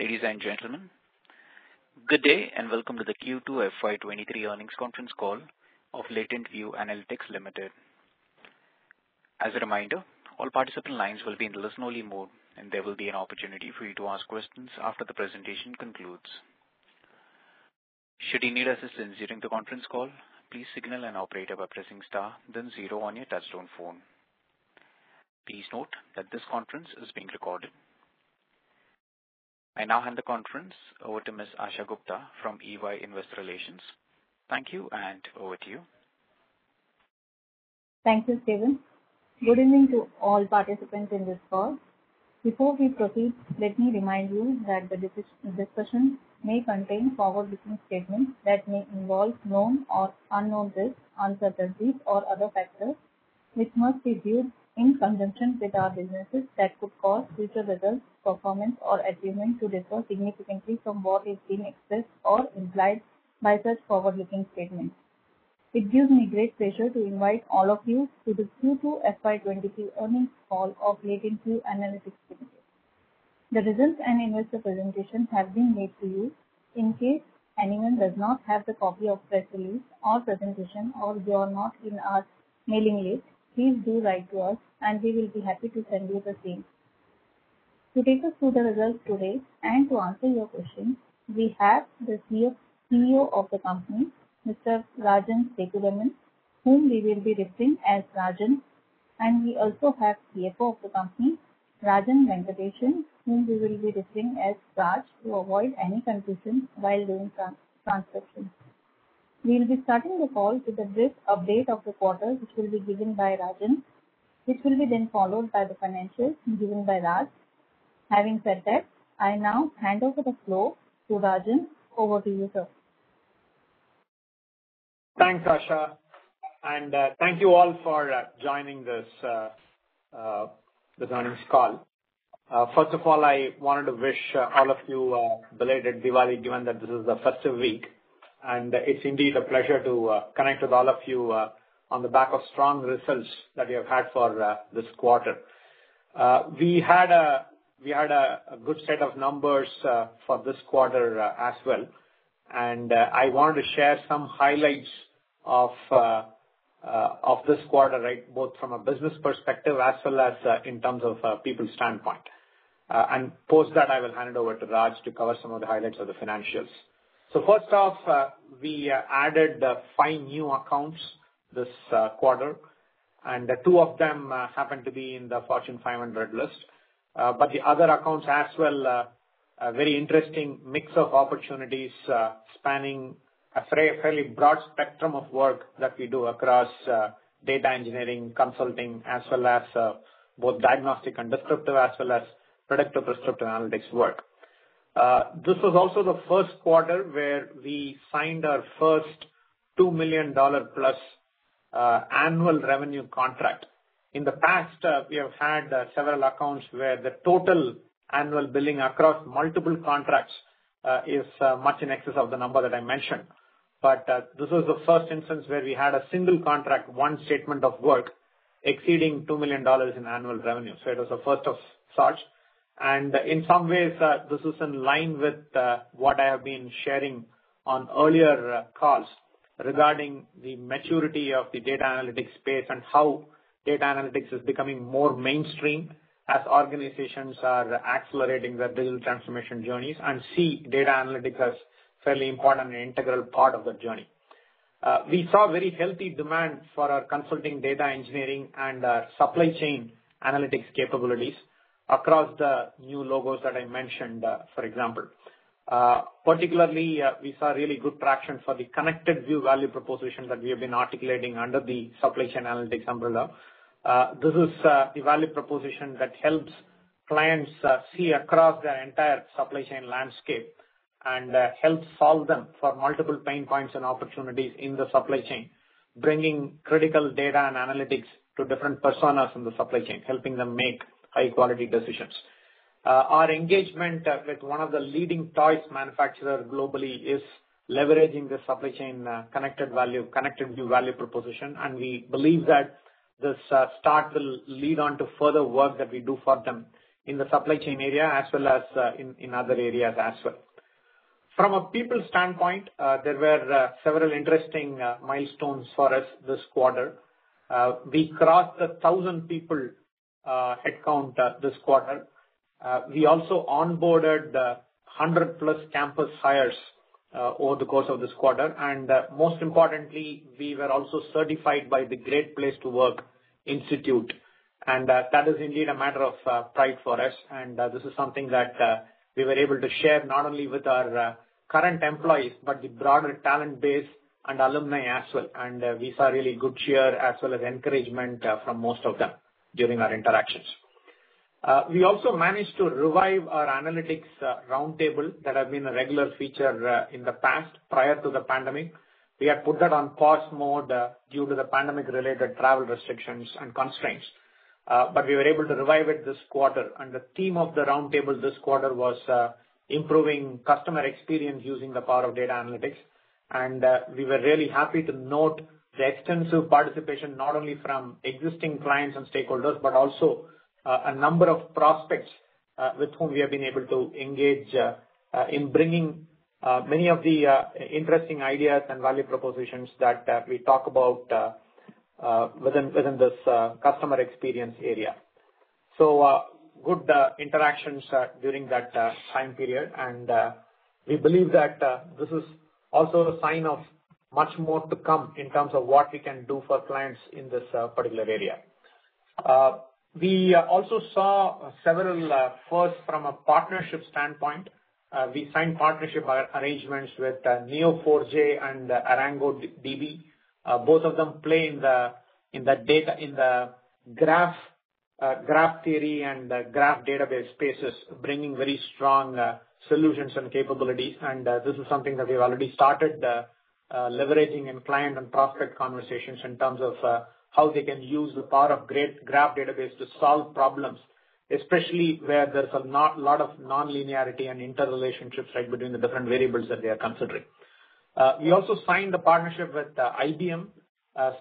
Ladies and gentlemen, good day, and welcome to the Q2 FY23 earnings conference call of LatentView Analytics Limited. As a reminder, all participant lines will be in listen-only mode, and there will be an opportunity for you to ask questions after the presentation concludes. Should you need assistance during the conference call, please signal an operator by pressing star then zero on your touchtone phone. Please note that this conference is being recorded. I now hand the conference over to Ms. Asha Gupta from EY Investor Relations. Thank you, and over to you. Thank you, Steven. Good evening to all participants in this call. Before we proceed, let me remind you that the discussion may contain forward-looking statements that may involve known or unknown risks, uncertainties, or other factors, which must be viewed in conjunction with our businesses that could cause future results, performance or attainment to differ significantly from what is being expressed or implied by such forward-looking statements. It gives me great pleasure to invite all of you to the Q2 FY 2023 earnings call of LatentView Analytics Limited. The results and investor presentations have been made to you. In case anyone does not have the copy of press release or presentation or you are not in our mailing list, please do write to us, and we will be happy to send you the same. To take us through the results today and to answer your questions, we have the CEO of the company, Mr. Rajan Sethuraman, whom we will be referring as Rajan, and we also have CFO of the company, Rajan Venkatesan, whom we will be referring as Raj to avoid any confusion while doing transcription. We will be starting the call with a brief update of the quarter, which will be given by Rajan, which will be then followed by the financials given by Raj. Having said that, I now hand over the floor to Rajan. Over to you, sir. Thanks, Asha, and thank you all for joining this earnings call. First of all, I wanted to wish all of you belated Diwali, given that this is a festive week, and it's indeed a pleasure to connect with all of you on the back of strong results that we have had for this quarter. We had a good set of numbers for this quarter as well. I wanted to share some highlights of this quarter, right? Both from a business perspective as well as in terms of people standpoint. Post that, I will hand it over to Raj to cover some of the highlights of the financials. First off, we added five new accounts this quarter, and two of them happen to be in the Fortune 500 list. The other accounts as well a very interesting mix of opportunities spanning a fairly broad spectrum of work that we do across data engineering, consulting, as well as both diagnostic and descriptive, as well as predictive descriptive analytics work. This was also the first quarter where we signed our first $2 million-plus annual revenue contract. In the past, we have had several accounts where the total annual billing across multiple contracts is much in excess of the number that I mentioned. This was the first instance where we had a single contract, one statement of work exceeding $2 million in annual revenue, so it was a first of such. In some ways, this is in line with what I have been sharing on earlier calls regarding the maturity of the data analytics space and how data analytics is becoming more mainstream as organizations are accelerating their digital transformation journeys and see data analytics as fairly important and integral part of the journey. We saw very healthy demand for our consulting, data engineering, and supply chain analytics capabilities across the new logos that I mentioned, for example. Particularly, we saw really good traction for the ConnectedView value proposition that we have been articulating under the supply chain analytics umbrella. This is the value proposition that helps clients see across their entire supply chain landscape and help solve them for multiple pain points and opportunities in the supply chain, bringing critical data and analytics to different personas in the supply chain, helping them make high quality decisions. Our engagement with one of the leading toy manufacturers globally is leveraging the supply chain ConnectedView value proposition, and we believe that this start will lead on to further work that we do for them in the supply chain area as well as in other areas as well. From a people standpoint, there were several interesting milestones for us this quarter. We crossed 1,000 people headcount this quarter. We also onboarded 100+ campus hires over the course of this quarter. Most importantly, we were also certified by the Great Place to Work Institute, and that is indeed a matter of pride for us. This is something that we were able to share not only with our current employees, but the broader talent base and alumni as well. We saw really good cheer as well as encouragement from most of them during our interactions. We also managed to revive our analytics roundtable that have been a regular feature in the past prior to the pandemic. We had put that on pause mode due to the pandemic related travel restrictions and constraints. We were able to revive it this quarter, and the theme of the roundtable this quarter was improving customer experience using the power of data analytics. We were really happy to note the extensive participation, not only from existing clients and stakeholders, but also a number of prospects with whom we have been able to engage in bringing many of the interesting ideas and value propositions that we talk about within this customer experience area. Good interactions during that time period. We believe that this is also a sign of much more to come in terms of what we can do for clients in this particular area. We also saw several firsts from a partnership standpoint. We signed partnership arrangements with Neo4j and ArangoDB. Both of them play in the graph theory and graph database spaces, bringing very strong solutions and capabilities. This is something that we've already started leveraging in client and prospect conversations in terms of how they can use the power of great graph database to solve problems. Especially where there's a lot of nonlinearity and interrelationships, right, between the different variables that they are considering. We also signed a partnership with IBM,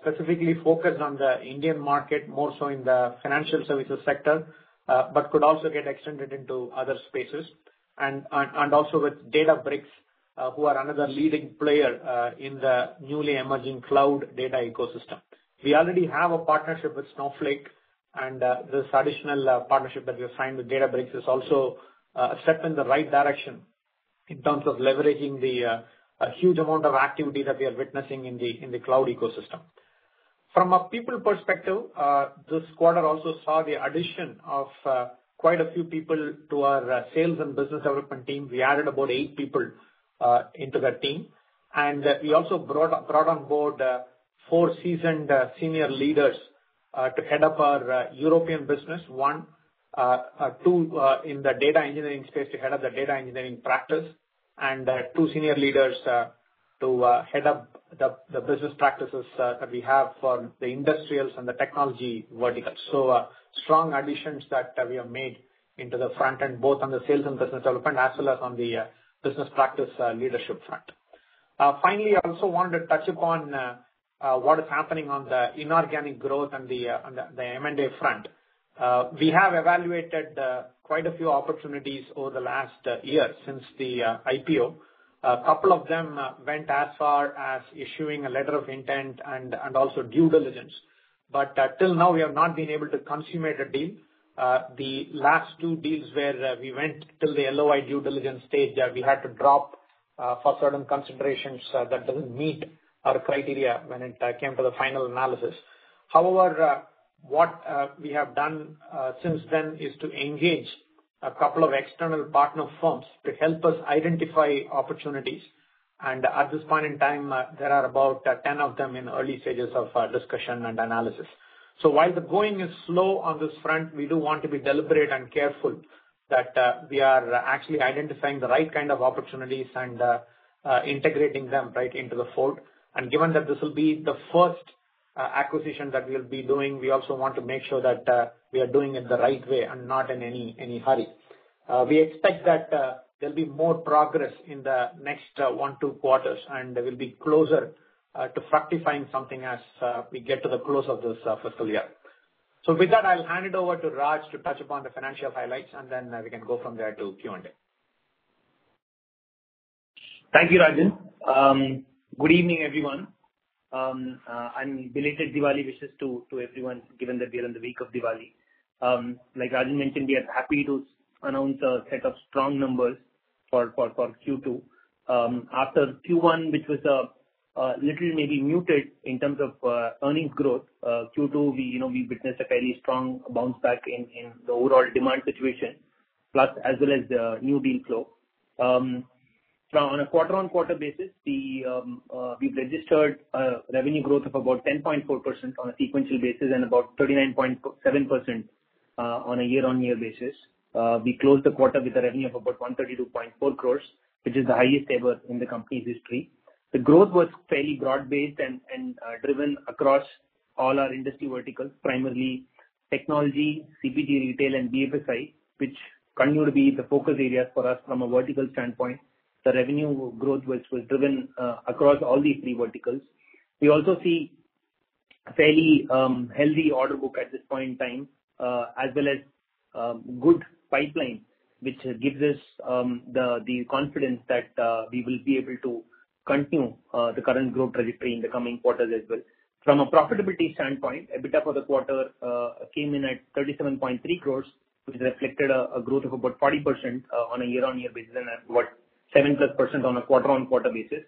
specifically focused on the Indian market, more so in the financial services sector, but could also get extended into other spaces. Also with Databricks, who are another leading player in the newly emerging cloud data ecosystem. We already have a partnership with Snowflake, and this additional partnership that we have signed with Databricks is also a step in the right direction in terms of leveraging the huge amount of activity that we are witnessing in the cloud ecosystem. From a people perspective, this quarter also saw the addition of quite a few people to our sales and business development team. We added about eight people into that team. We also brought on board 4 seasoned senior leaders to head up our European business. One in the data engineering space to head up the data engineering practice and two senior leaders to head up the business practices that we have for the industrials and the technology verticals. Strong additions that we have made into the front end both on the sales and business development as well as on the business practice leadership front. Finally, I also wanted to touch upon what is happening on the inorganic growth and on the M&A front. We have evaluated quite a few opportunities over the last year since the IPO. A couple of them went as far as issuing a letter of intent and also due diligence. Till now, we have not been able to consummate a deal. The last 2 deals where we went till the LOI due diligence stage, we had to drop for certain considerations that doesn't meet our criteria when it came to the final analysis. However, what we have done since then is to engage a couple of external partner firms to help us identify opportunities. At this point in time, there are about 10 of them in early stages of discussion and analysis. While the going is slow on this front, we do want to be deliberate and careful that we are actually identifying the right kind of opportunities and integrating them right into the fold. Given that this will be the first acquisition that we'll be doing, we also want to make sure that we are doing it the right way and not in any hurry. We expect that there'll be more progress in the next 1, 2 quarters, and we'll be closer to fructifying something as we get to the close of this fiscal year. With that, I'll hand it over to Raj to touch upon the financial highlights, and then we can go from there to Q&A. Thank you, Rajan. Good evening, everyone. Belated Diwali wishes to everyone, given that we are in the week of Diwali. Like Rajan mentioned, we are happy to announce a set of strong numbers for Q2. After Q1 which was little maybe muted in terms of earnings growth. Q2 we, you know, we witnessed a fairly strong bounce back in the overall demand situation, plus as well as the new deal flow. On a quarter-on-quarter basis, we've registered a revenue growth of about 10.4% on a sequential basis and about 39.7% on a year-on-year basis. We closed the quarter with a revenue of about 132.4 crores, which is the highest ever in the company's history. The growth was fairly broad-based and driven across all our industry verticals, primarily technology, CPG, retail and BFSI, which continue to be the focus areas for us from a vertical standpoint. The revenue growth was driven across all these three verticals. We also see fairly healthy order book at this point in time, as well as good pipeline, which gives us the confidence that we will be able to continue the current growth trajectory in the coming quarters as well. From a profitability standpoint, EBITDA for the quarter came in at 37.3 crore, which reflected a growth of about 40% on a year-on-year basis and about 7%+ on a quarter-on-quarter basis.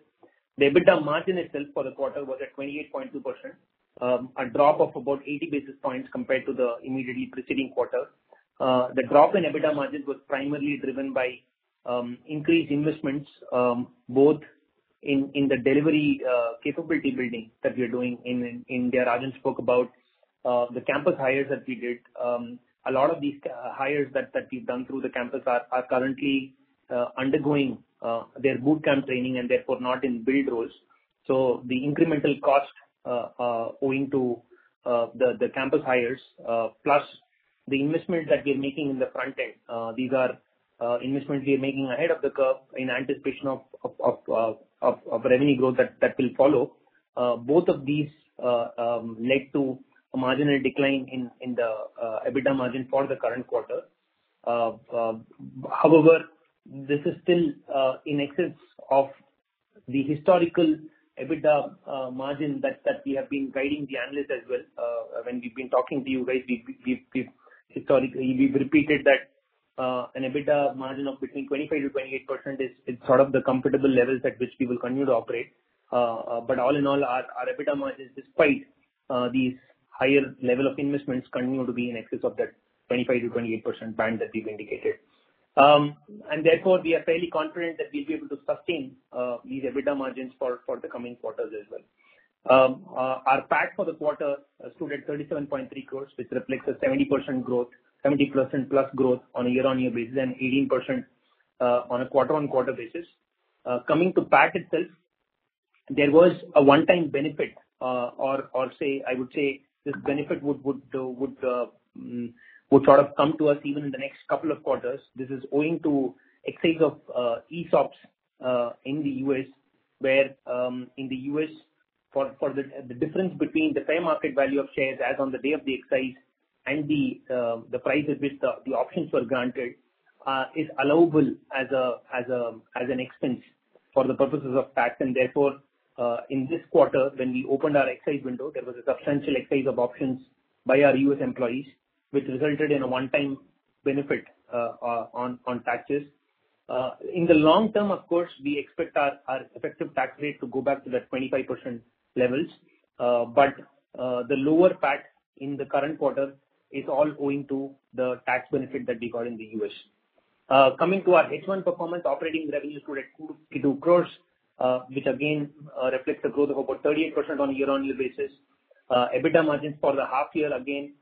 The EBITDA margin itself for the quarter was at 28.2%, a drop of about 80 basis points compared to the immediately preceding quarter. The drop in EBITDA margin was primarily driven by increased investments both in the delivery capability building that we are doing in India. Rajan spoke about the campus hires that we did. A lot of these hires that we've done through the campus are currently undergoing their boot camp training and therefore not in billable roles. The incremental cost owing to the campus hires plus the investment that we are making in the front end, these are investments we are making ahead of the curve in anticipation of revenue growth that will follow. Both of these led to a marginal decline in the EBITDA margin for the current quarter. However, this is still in excess of the historical EBITDA margin that we have been guiding the analyst as well when we've been talking to you guys. We've historically repeated that an EBITDA margin of between 25%-28% is sort of the comfortable levels at which we will continue to operate. But all in all, our EBITDA margins, despite these higher level of investments, continue to be in excess of that 25%-28% band that we've indicated. Therefore we are fairly confident that we'll be able to sustain these EBITDA margins for the coming quarters as well. Our PAT for the quarter stood at 37.3 crores, which reflects a 70% growth, 70%+ growth on a year-on-year basis and 18% on a quarter-on-quarter basis. Coming to PAT itself, there was a one-time benefit, or say, I would say this benefit would sort of come to us even in the next couple of quarters. This is owing to exercise of ESOPs in the U.S. where, in the U.S., for the difference between the fair market value of shares as on the day of the exercise and the price at which the options were granted is allowable as an expense for the purposes of tax. Therefore, in this quarter, when we opened our exercise window, there was a substantial exercise of options by our US employees, which resulted in a one-time benefit on taxes. In the long term, of course, we expect our effective tax rate to go back to that 25% level. The lower PAT in the current quarter is all owing to the tax benefit that we got in the US. Coming to our H1 performance, operating revenues stood at 2 crore, which again reflects the growth of about 38% on a year-on-year basis. EBITDA margins for the half year again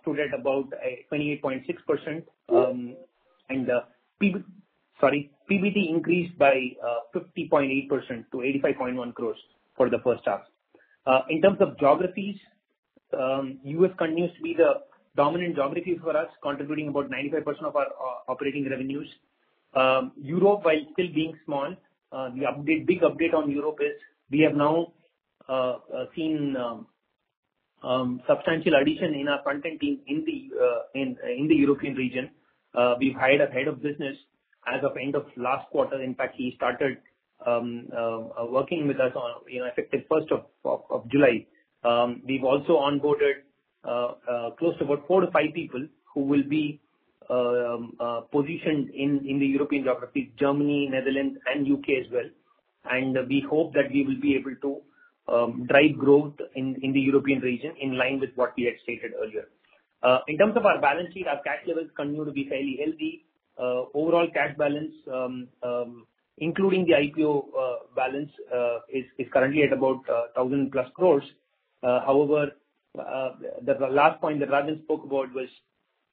stood at about 28.6%. PBT increased by 50.8% to 85.1 crore for the first half. In terms of geographies, U.S. continues to be the dominant geography for us, contributing about 95% of our operating revenues. Europe, while still being small, the big update on Europe is we have now seen substantial addition in our content team in the European region. We've hired a head of business as of end of last quarter. In fact, he started working with us, you know, effective first of July. We've also onboarded close to about 4-5 people who will be positioned in the European geography, Germany, Netherlands and U.K. as well. We hope that we will be able to drive growth in the European region in line with what we had stated earlier. In terms of our balance sheet, our cash levels continue to be fairly healthy. Overall cash balance, including the IPO balance, is currently at about 1,000+ crore. However, the last point that Rajan spoke about was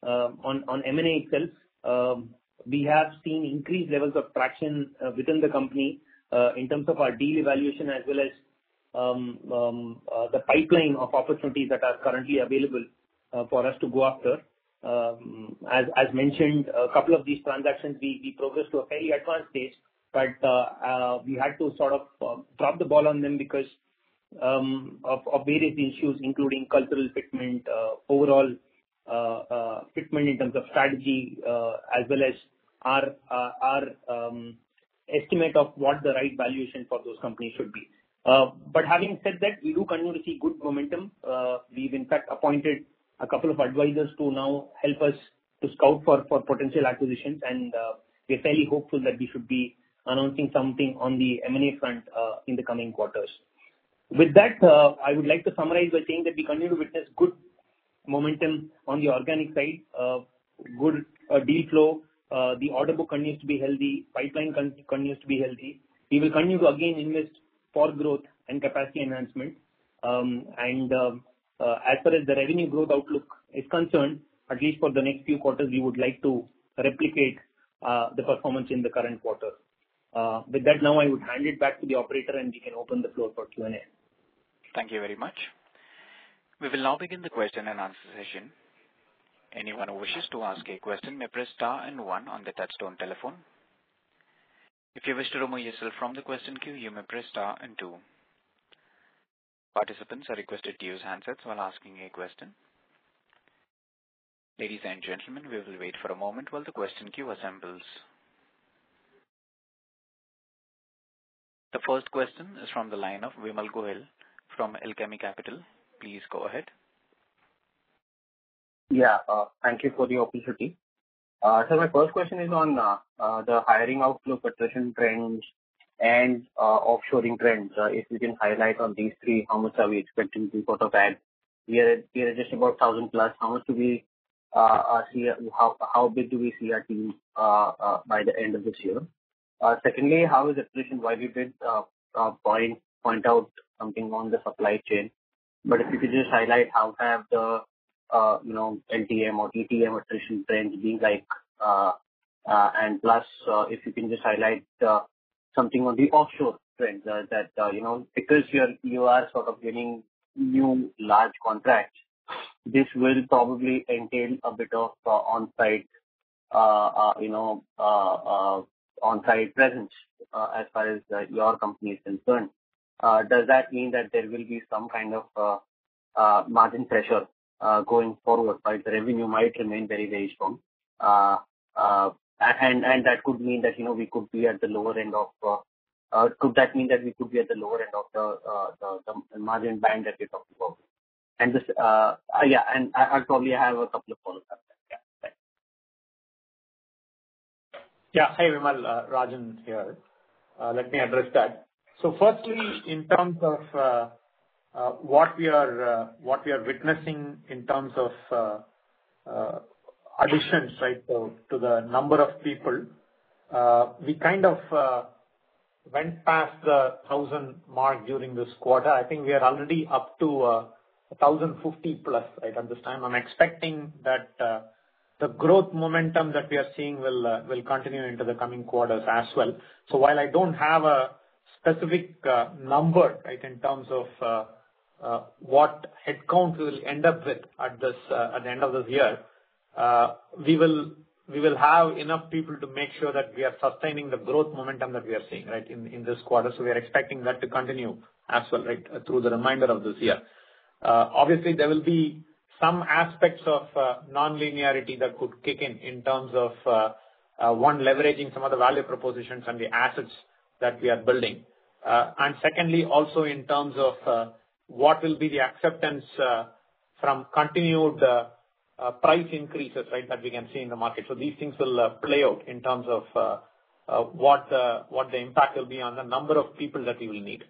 on M&A itself. We have seen increased levels of traction within the company in terms of our deal evaluation as well as the pipeline of opportunities that are currently available for us to go after. As mentioned, a couple of these transactions we progressed to a fairly advanced stage, but we had to sort of drop the ball on them because of various issues including cultural fitment, overall fitment in terms of strategy, as well as our estimate of what the right valuation for those companies should be. Having said that, we do continue to see good momentum. We've in fact appointed a couple of advisors to now help us to scout for potential acquisitions. We're fairly hopeful that we should be announcing something on the M&A front in the coming quarters. With that, I would like to summarize by saying that we continue to witness good momentum on the organic side, good deal flow. The order book continues to be healthy, pipeline continues to be healthy. We will continue to again invest for growth and capacity enhancement. As far as the revenue growth outlook is concerned, at least for the next few quarters, we would like to replicate the performance in the current quarter. With that, now I would hand it back to the operator and we can open the floor for Q&A. Thank you very much. We will now begin the question and answer session. Anyone who wishes to ask a question may press star and one on the touchtone telephone. If you wish to remove yourself from the question queue, you may press star and two. Participants are requested to use handsets while asking a question. Ladies and gentlemen, we will wait for a moment while the question queue assembles. The first question is from the line of Vimal Goel from Alchemy Capital. Please go ahead. Yeah. Thank you for the opportunity. My first question is on the hiring outlook, attrition trends and offshoring trends. If you can highlight on these three, how much are we expecting in terms of add? We are at just about 1,000 plus. How big do we see our team by the end of this year? Secondly, how is attrition? Raj, you did point out something on the supply chain, but if you could just highlight how have the, you know, LTM or TTM attrition trends been like. If you can just highlight something on the offshore trends that you know because you are sort of getting new large contracts, this will probably entail a bit of on-site presence as far as your company is concerned. Does that mean that there will be some kind of margin pressure going forward, right? The revenue might remain very, very strong. That could mean that you know we could be at the lower end of the margin band that we talked about? Just yeah. I probably have a couple of follow-ups after. Yeah. Thanks. Yeah. Hey, Vimal. Rajan here. Let me address that. Firstly, in terms of what we are witnessing in terms of additions, right, to the number of people, we kind of went past the 1,000 mark during this quarter. I think we are already up to 1,050 plus, right, at this time. I'm expecting that the growth momentum that we are seeing will continue into the coming quarters as well. While I don't have a specific number, right, in terms of what headcount we'll end up with at the end of this year, we will have enough people to make sure that we are sustaining the growth momentum that we are seeing, right, in this quarter. We are expecting that to continue as well, right, through the remainder of this year. Obviously, there will be some aspects of nonlinearity that could kick in terms of one, leveraging some of the value propositions and the assets that we are building. Secondly, also in terms of what will be the acceptance from continued price increases, right, that we can see in the market. These things will play out in terms of what the impact will be on the number of people that we will need.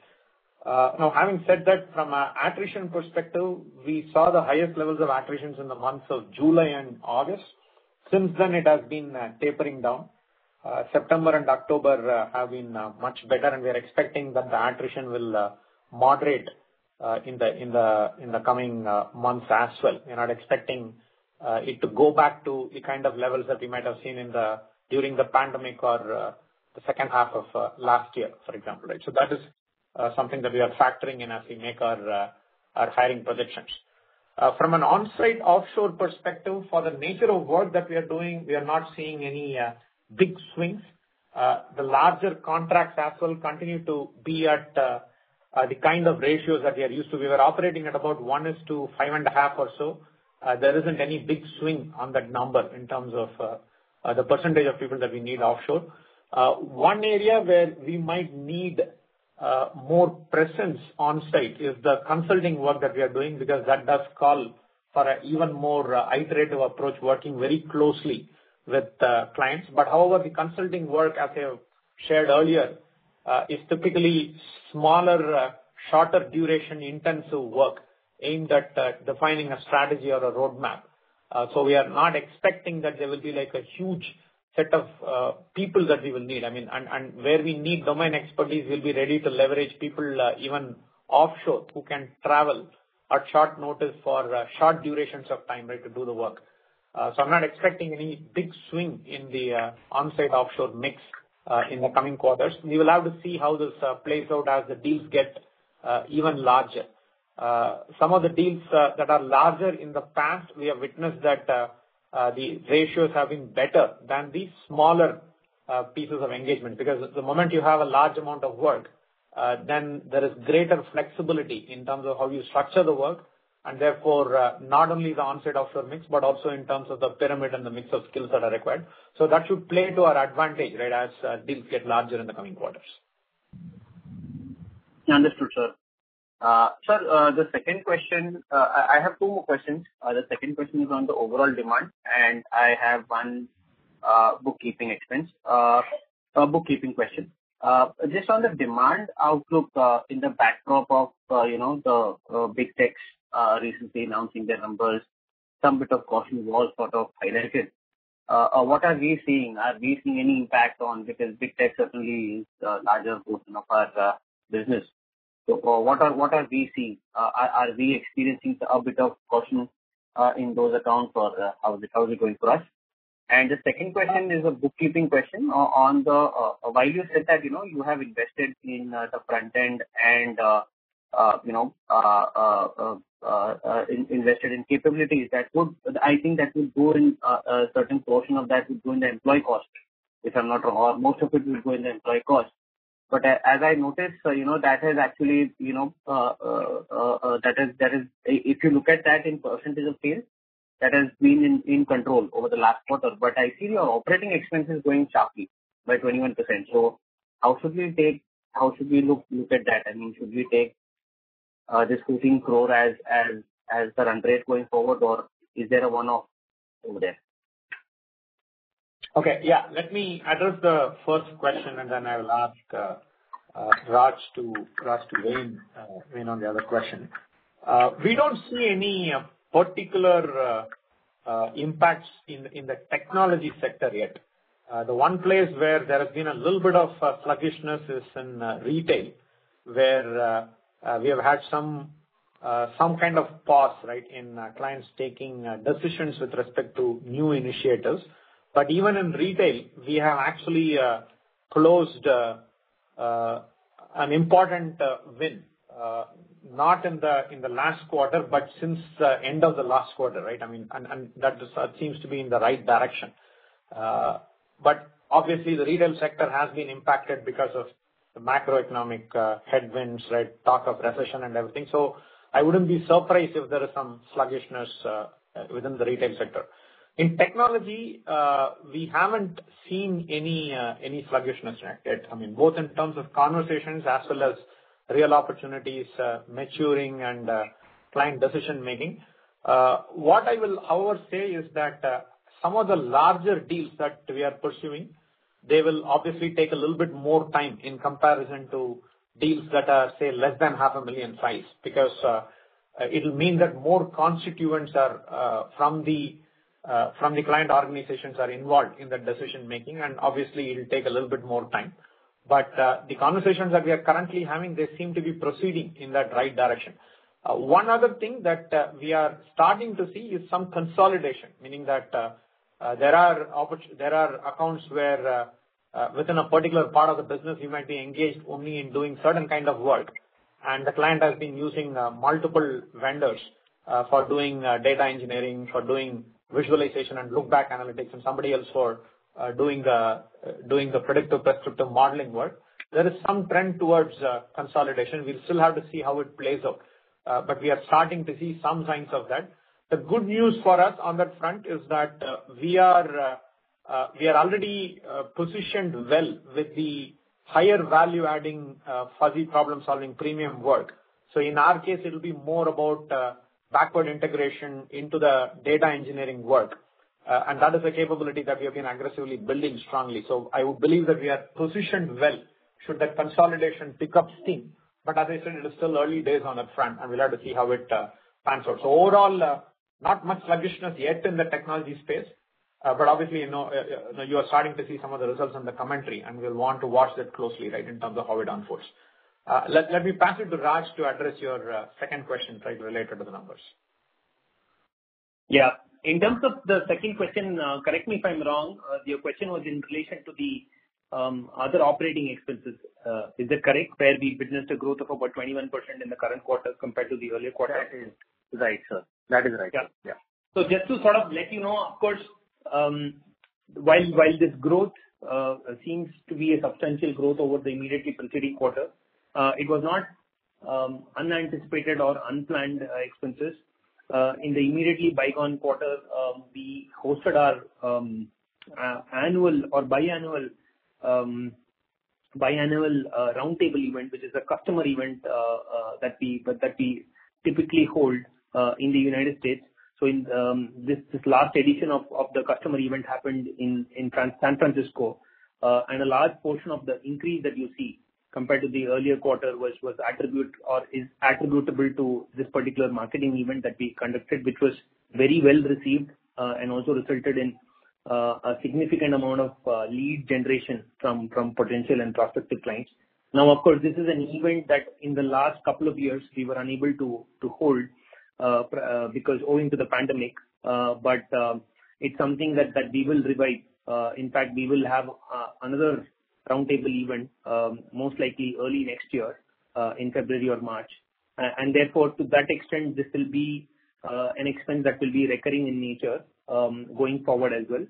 Now, having said that, from an attrition perspective, we saw the highest levels of attrition in the months of July and August. Since then it has been tapering down. September and October have been much better, and we are expecting that the attrition will moderate in the coming months as well. We're not expecting it to go back to the kind of levels that we might have seen during the pandemic or the second half of last year, for example. Right? That is something that we are factoring in as we make our hiring projections. From an on-site, offshore perspective, for the nature of work that we are doing, we are not seeing any big swings. The larger contracts as well continue to be at the kind of ratios that we are used to. We were operating at about 1 is to 5.5 or so. There isn't any big swing on that number in terms of the percentage of people that we need offshore. One area where we might need more presence on-site is the consulting work that we are doing, because that does call for an even more iterative approach, working very closely with the clients. However, the consulting work, as I have shared earlier, is typically smaller, shorter duration, intensive work aimed at defining a strategy or a roadmap. We are not expecting that there will be like a huge set of people that we will need. I mean, where we need domain expertise, we'll be ready to leverage people even offshore who can travel at short notice for short durations of time, right, to do the work. I'm not expecting any big swing in the on-site, offshore mix in the coming quarters. We will have to see how this plays out as the deals get even larger. Some of the deals that are larger in the past, we have witnessed that the ratios have been better than the smaller pieces of engagement. Because the moment you have a large amount of work, then there is greater flexibility in terms of how you structure the work, and therefore, not only the on-site, offshore mix, but also in terms of the pyramid and the mix of skills that are required. That should play to our advantage, right, as deals get larger in the coming quarters. Understood, sir. I have two more questions. The second question is on the overall demand, and I have one housekeeping, a housekeeping question. Just on the demand outlook, in the backdrop of, you know, the Big Tech recently announcing their numbers, a bit of caution was sort of highlighted. What are we seeing? Are we seeing any impact? Because Big Tech certainly is a larger portion of our business. So what are we seeing? Are we experiencing a bit of caution in those accounts or how is it going for us? The second question is a bookkeeping question on the while you said that, you know, you have invested in the front end and you know invested in capabilities, that would. I think that would go in a certain portion of that would go in the employee cost, if I'm not wrong, or most of it will go in the employee cost. But as I noticed, you know, that has actually, you know, that is, that is. If you look at that in percentage of sales, that has been in control over the last quarter. But I see your operating expense is growing sharply, by 21%. How should we look at that? I mean, should we take this 15 crore as the run rate going forward, or is there a one-off over there? Okay. Yeah. Let me address the first question, and then I will ask Raj to weigh in on the other question. We don't see any particular impacts in the technology sector yet. The one place where there has been a little bit of sluggishness is in retail, where we have had some kind of pause, right, in clients taking decisions with respect to new initiatives. Even in retail, we have actually closed an important win not in the last quarter, but since the end of the last quarter, right? I mean, that seems to be in the right direction. Obviously the retail sector has been impacted because of the macroeconomic headwinds, right? Talk of recession and everything. I wouldn't be surprised if there is some sluggishness within the retail sector. In technology, we haven't seen any sluggishness yet. I mean, both in terms of conversations as well as real opportunities maturing and client decision-making. What I will, however, say is that some of the larger deals that we are pursuing, they will obviously take a little bit more time in comparison to deals that are, say, less than INR half a million size. Because it'll mean that more constituents are from the client organizations are involved in the decision-making, and obviously it'll take a little bit more time. The conversations that we are currently having, they seem to be proceeding in that right direction. One other thing that we are starting to see is some consolidation. Meaning that there are accounts where within a particular part of the business you might be engaged only in doing certain kind of work, and the client has been using multiple vendors for doing data engineering, for doing visualization and look-back analytics, and somebody else for doing the predictive prescriptive modeling work. There is some trend towards consolidation. We still have to see how it plays out. We are starting to see some signs of that. The good news for us on that front is that we are already positioned well with the higher value-adding fuzzy problem-solving premium work. In our case, it'll be more about backward integration into the data engineering work. That is a capability that we have been aggressively building strongly. I would believe that we are positioned well should that consolidation pick up steam. As I said, it is still early days on that front, and we'll have to see how it transfers. Overall, not much sluggishness yet in the technology space. But obviously, you know, you are starting to see some of the results in the commentary, and we'll want to watch that closely, right, in terms of how it unfolds. Let me pass it to Raj to address your second question, right, related to the numbers. Yeah. In terms of the second question, correct me if I'm wrong. Your question was in relation to the other operating expenses. Is that correct? Where we witnessed a growth of about 21% in the current quarter compared to the earlier quarter. That is. Right, sir. That is right. Yeah. Yeah. Just to sort of let you know, of course, while this growth seems to be a substantial growth over the immediately preceding quarter, it was not unanticipated or unplanned expenses. In the immediately bygone quarter, we hosted our annual or biannual roundtable event, which is a customer event that we typically hold in the United States. This last edition of the customer event happened in San Francisco. A large portion of the increase that you see compared to the earlier quarter was attributed or is attributable to this particular marketing event that we conducted, which was very well received and also resulted in a significant amount of lead generation from potential and prospective clients. Now, of course, this is an event that in the last couple of years we were unable to hold because owing to the pandemic. It's something that we will revive. In fact, we will have another roundtable event most likely early next year in February or March. Therefore, to that extent, this will be an expense that will be recurring in nature going forward as well.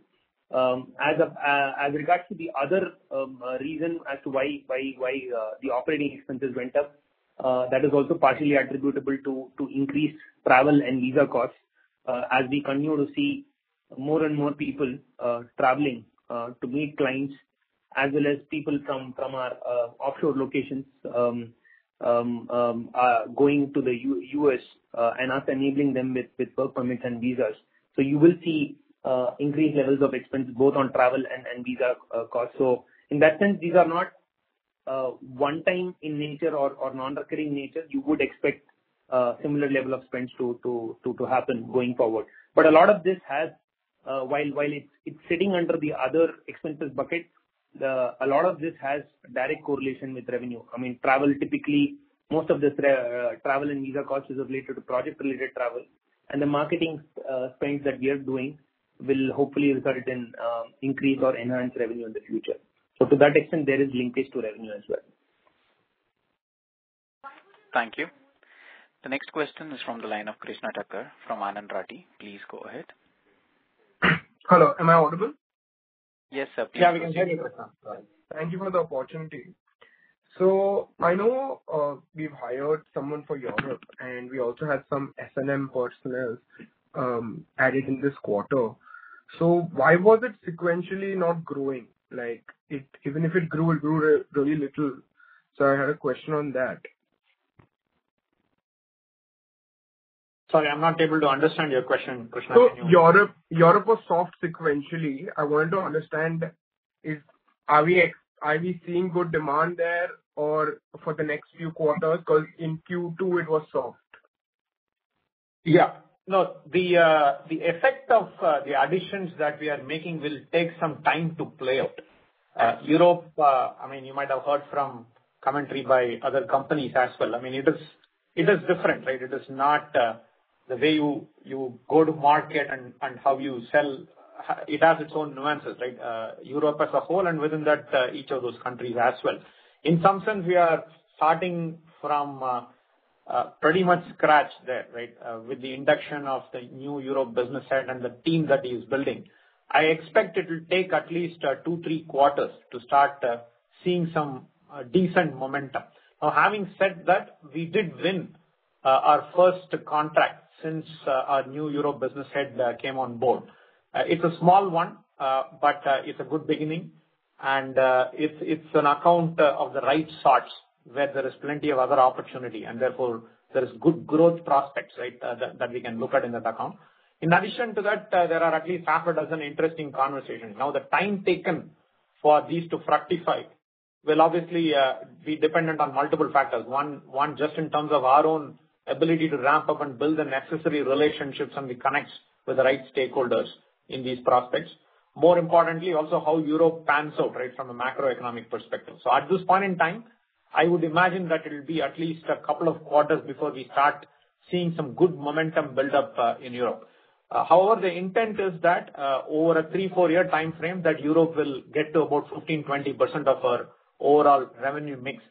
As regards to the other reason as to why the operating expenses went up, that is also partially attributable to increased travel and visa costs as we continue to see more and more people traveling to meet clients. As well as people from our offshore locations going to the U.S., and us enabling them with work permits and visas. You will see increased levels of expense both on travel and visa costs. In that sense, these are not one-time in nature or non-recurring nature. You would expect similar level of spends to happen going forward. A lot of this has direct correlation with revenue while it's sitting under the other expenses bucket. I mean, travel, typically, most of this travel and visa costs is related to project-related travel. The marketing spends that we are doing will hopefully result in increase or enhance revenue in the future. To that extent, there is linkage to revenue as well. Thank you. The next question is from the line of Krishna Thakkar from Anand Rathi. Please go ahead. Hello, am I audible? Yes, sir. Yeah, we can hear you. Thank you for the opportunity. I know we've hired someone for Europe, and we also had some S&M personnel added in this quarter. Why was it sequentially not growing? Like, even if it grew, it grew really little. I had a question on that. Sorry, I'm not able to understand your question, Krishna. Europe was soft sequentially. I wanted to understand if we are seeing good demand there or for the next few quarters? 'Cause in Q2 it was soft. Yeah. No, the effect of the additions that we are making will take some time to play out. Europe, I mean, you might have heard from commentary by other companies as well, I mean, it is different, right? It is not the way you go to market and how you sell. It has its own nuances, right? Europe as a whole, and within that, each of those countries as well. In some sense, we are starting from pretty much scratch there, right, with the induction of the new Europe business head and the team that he is building. I expect it'll take at least two to three quarters to start seeing some decent momentum. Now, having said that, we did win our first contract since our new Europe business head came on board. It's a small one, but it's a good beginning and it's an account of the right sorts where there is plenty of other opportunity and therefore there is good growth prospects, right, that we can look at in that account. In addition to that, there are at least half a dozen interesting conversations. Now, the time taken for these to fructify will obviously be dependent on multiple factors. One just in terms of our own ability to ramp up and build the necessary relationships and the connects with the right stakeholders in these prospects. More importantly, also how Europe pans out, right, from a macroeconomic perspective. At this point in time, I would imagine that it'll be at least a couple of quarters before we start seeing some good momentum build up in Europe. However, the intent is that over a three to four-year timeframe, that Europe will get to about 15%-20% of our overall revenue mix.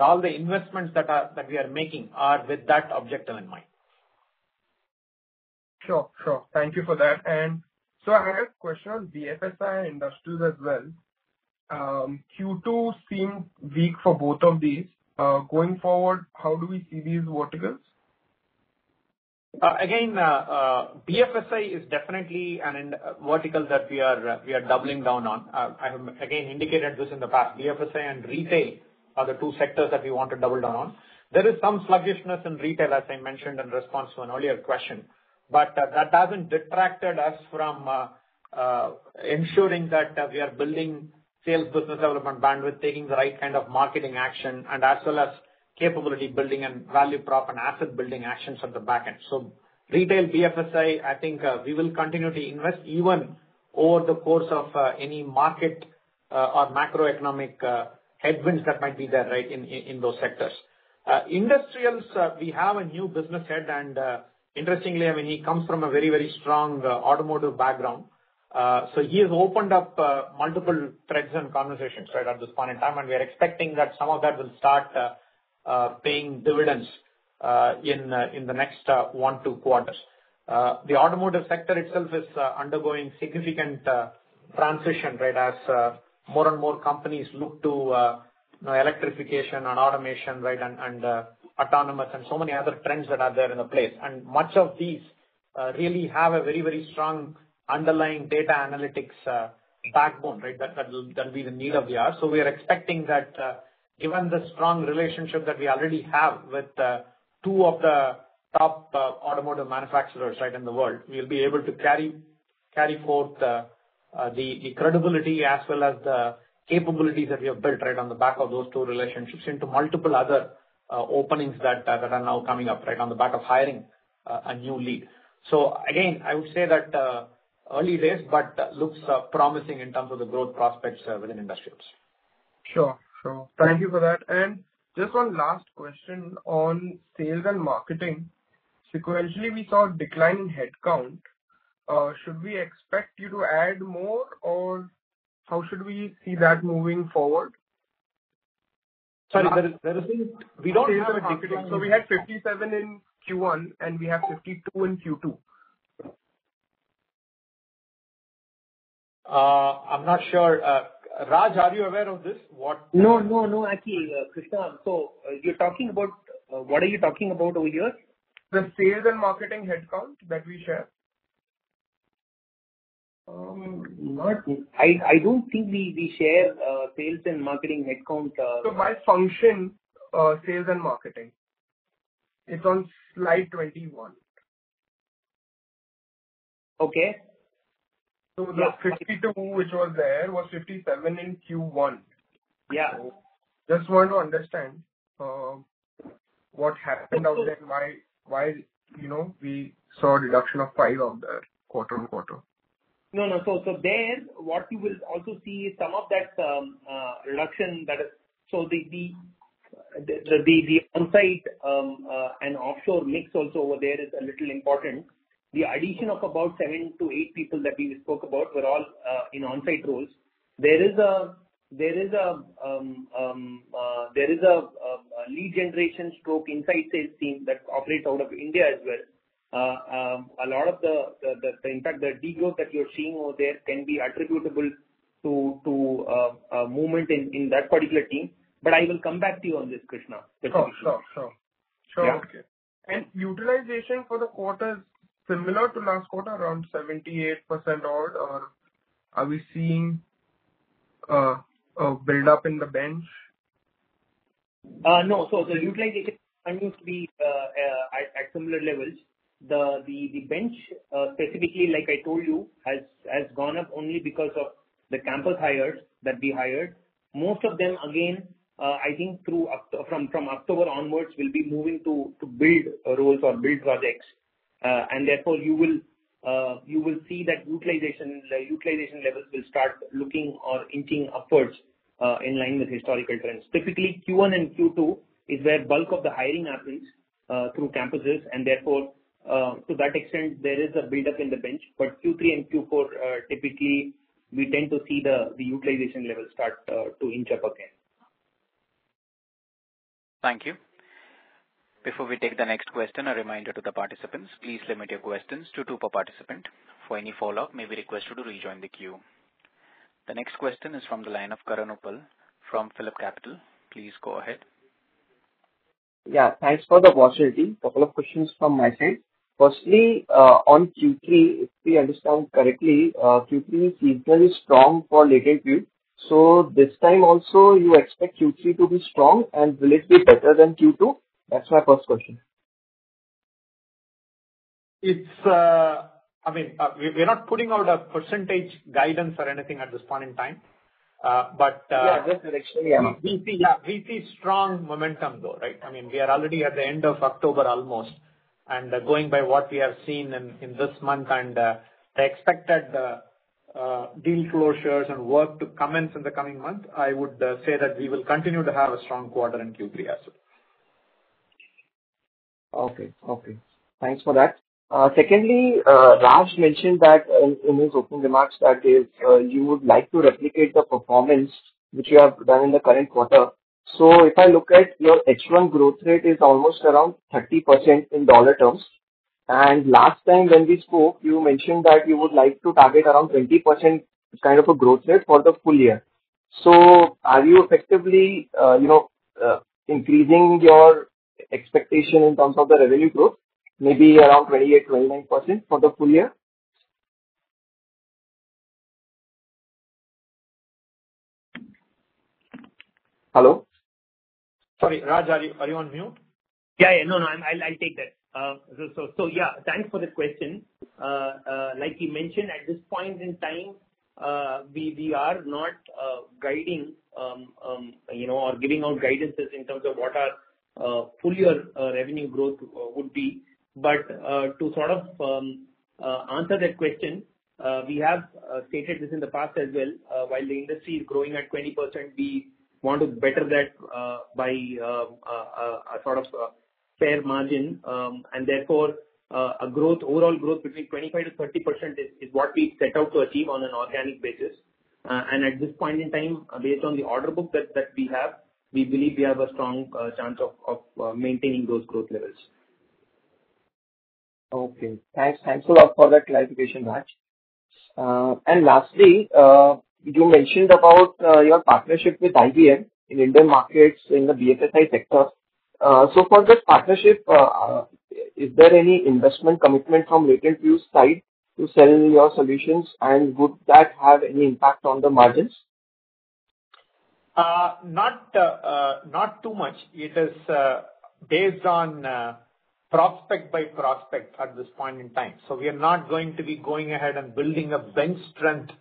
All the investments that we are making are with that objective in mind. Sure. Thank you for that. I have a question, BFSI industries as well. Q2 seemed weak for both of these. Going forward, how do we see these verticals? Again, BFSI is definitely a vertical that we are doubling down on. I have again indicated this in the past. BFSI and retail are the two sectors that we want to double down on. There is some sluggishness in retail, as I mentioned in response to an earlier question, but that hasn't detracted us from ensuring that we are building sales business development bandwidth, taking the right kind of marketing action and as well as capability building and value prop and asset building actions at the back end. Retail, BFSI, I think, we will continue to invest even over the course of any market or macroeconomic headwinds that might be there, right, in those sectors. Industrials, we have a new business head, and interestingly, I mean, he comes from a very strong automotive background. So he has opened up multiple threads and conversations right at this point in time, and we are expecting that some of that will start paying dividends in the next one, two quarters. The automotive sector itself is undergoing significant transition, right? As more and more companies look to you know, electrification and automation, right, and autonomous and so many other trends that are there in place. Much of these really have a very strong underlying data analytics backbone, right? That'll be the need of the hour. We are expecting that, given the strong relationship that we already have with two of the top automotive manufacturers, right, in the world, we'll be able to carry forth the credibility as well as the capabilities that we have built, right, on the back of those two relationships into multiple other openings that are now coming up, right, on the back of hiring a new lead. Again, I would say that early days, but looks promising in terms of the growth prospects within industrials. Sure. Thank you for that. Just one last question on sales and marketing. Sequentially, we saw a decline in headcount. Should we expect you to add more, or how should we see that moving forward? Sorry, there is. Sales and marketing. We had 57 in Q1, and we have 52 in Q2. I'm not sure. Raj, are you aware of this? No, actually, Krishna. What are you talking about over here? The sales and marketing headcount that we share. I don't think we share sales and marketing headcount. By function, sales and marketing. It's on slide 21. Okay. The 52 which was there was 57 in Q1. Yeah. Just want to understand what happened out there and why, you know, we saw a reduction of 5% quarter-on-quarter. No, no. There, what you will also see is some of that reduction that is. The onsite and offshore mix also over there is a little important. The addition of about 7-8 people that we spoke about were all in onsite roles. There is a lead generation slash inside sales team that operates out of India as well. A lot of the, in fact, the degrowth that you are seeing over there can be attributable to a movement in that particular team. I will come back to you on this, Krishna. Sure. Yeah. Okay. Utilization for the quarter is similar to last quarter, around 78% odd, or are we seeing a buildup in the bench? No. The utilization continues to be at similar levels. The bench, specifically, like I told you, has gone up only because of the campus hires that we hired. Most of them, again, I think from October onwards will be moving to build roles or build projects. Therefore you will see that utilization levels will start looking or inching upwards in line with historical trends. Typically, Q1 and Q2 is where bulk of the hiring happens through campuses and therefore to that extent there is a buildup in the bench. Q3 and Q4 are typically we tend to see the utilization levels start to inch up again. Thank you. Before we take the next question, a reminder to the participants, please limit your questions to two per participant. For any follow-up, you may be requested to rejoin the queue. The next question is from the line of Karan Uppal from PhillipCapital. Please go ahead. Yeah. Thanks for the opportunity. Couple of questions from my side. Firstly, on Q3, if we understand correctly, Q3 is usually strong for LatentView. This time also you expect Q3 to be strong, and will it be better than Q2? That's my first question. I mean, we're not putting out a percentage guidance or anything at this point in time. Yeah, just directionally. We see, yeah, we see strong momentum though, right? I mean, we are already at the end of October almost, and going by what we have seen in this month and the expected deal closures and work to commence in the coming month, I would say that we will continue to have a strong quarter in Q3, absolutely. Okay. Thanks for that. Secondly, Raj mentioned that in his opening remarks that you would like to replicate the performance which you have done in the current quarter. If I look at your H1 growth rate is almost around 30% in dollar terms. Last time when we spoke, you mentioned that you would like to target around 20% kind of a growth rate for the full year. Are you effectively, you know, increasing your expectation in terms of the revenue growth, maybe around 28%-29% for the full year? Hello? Sorry, Raj, are you on mute? Yeah. No. I'll take that. Yeah, thanks for the question. Like he mentioned, at this point in time, we are not guiding, you know, or giving out guidances in terms of what our full year revenue growth would be. To sort of answer that question, we have stated this in the past as well. While the industry is growing at 20%, we want to better that by a sort of fair margin. Therefore, overall growth between 25%-30% is what we set out to achieve on an organic basis. At this point in time, based on the order book that we have, we believe we have a strong chance of maintaining those growth levels. Okay. Thanks. Thanks a lot for that clarification, Raj. Lastly, you mentioned about your partnership with IBM in Indian markets in the BFSI sector. For this partnership, is there any investment commitment from Latent View's side to sell your solutions, and would that have any impact on the margins? Not too much. It is based on prospect by prospect at this point in time. We are not going to be going ahead and building a bench strength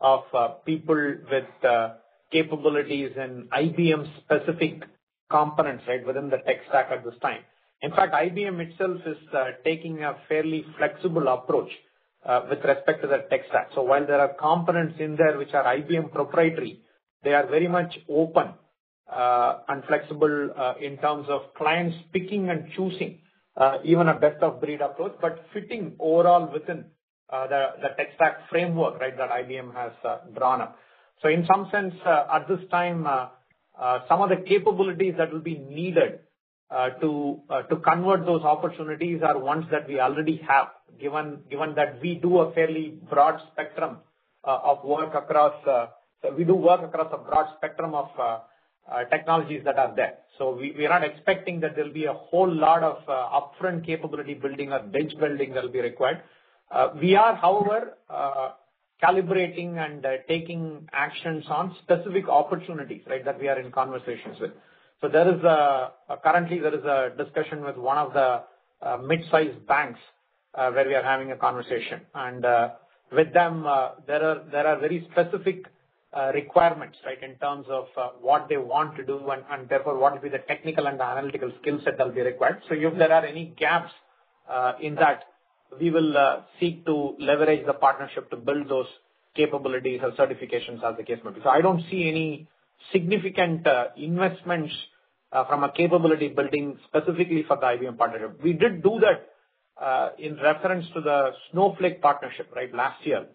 of people with capabilities and IBM-specific components, right, within the tech stack at this time. In fact, IBM itself is taking a fairly flexible approach with respect to their tech stack. While there are components in there which are IBM proprietary, they are very much open and flexible in terms of clients picking and choosing even a best of breed approach, but fitting overall within the tech stack framework, right, that IBM has drawn up. In some sense, at this time, some of the capabilities that will be needed to convert those opportunities are ones that we already have, given that we do a fairly broad spectrum of work across. We do work across a broad spectrum of technologies that are there. We are not expecting that there'll be a whole lot of upfront capability building or bench building that'll be required. We are, however, calibrating and taking actions on specific opportunities, right, that we are in conversations with. Currently, there is a discussion with one of the midsize banks where we are having a conversation. With them, there are very specific requirements, right, in terms of what they want to do and therefore what will be the technical and analytical skill set that will be required. If there are any gaps in that, we will seek to leverage the partnership to build those capabilities or certifications as the case may be. I don't see any significant investments from a capability building specifically for the IBM partnership. We did do that in reference to the Snowflake partnership, right, last year.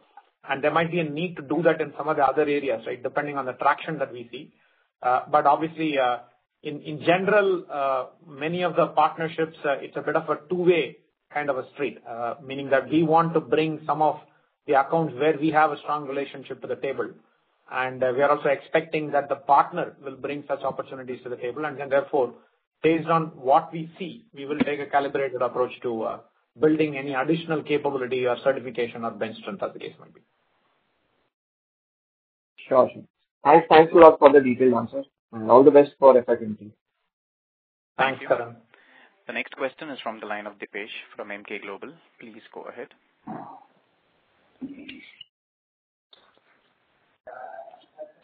There might be a need to do that in some of the other areas, right, depending on the traction that we see. Obviously, in general, many of the partnerships, it's a bit of a two-way kind of a street, meaning that we want to bring some of the accounts where we have a strong relationship to the table. We are also expecting that the partner will bring such opportunities to the table. Therefore, based on what we see, we will take a calibrated approach to building any additional capability or certification or bench strength as the case may be. Sure. Thanks. Thanks a lot for the detailed answers, and all the best for FY 2023. Thanks, Karan. The next question is from the line of Dipesh from Emkay Global. Please go ahead.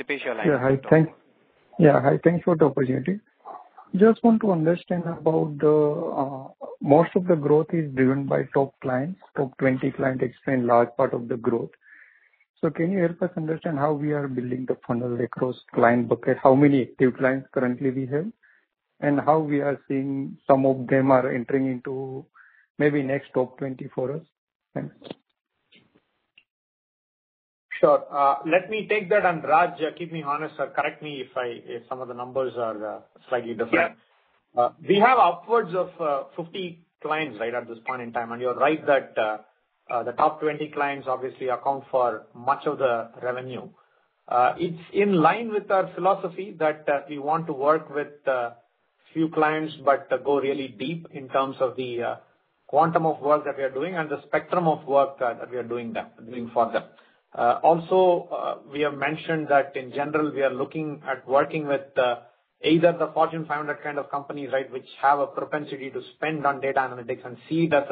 Hi. Thanks for the opportunity. Just want to understand about the most of the growth is driven by top clients. Top 20 clients explain large part of the growth. Can you help us understand how we are building the funnel across client bucket? How many active clients currently we have, and how we are seeing some of them are entering into maybe next top 20 for us? Thanks. Sure. Let me take that. Rajan, keep me honest or correct me if some of the numbers are slightly different. We have upwards of 50 clients right at this point in time. You're right that the top 20 clients obviously account for much of the revenue. It's in line with our philosophy that we want to work with few clients but go really deep in terms of the quantum of work that we are doing and the spectrum of work that we are doing for them. Also, we have mentioned that in general we are looking at working with either the Fortune 500 kind of companies, right, which have a propensity to spend on data analytics and see that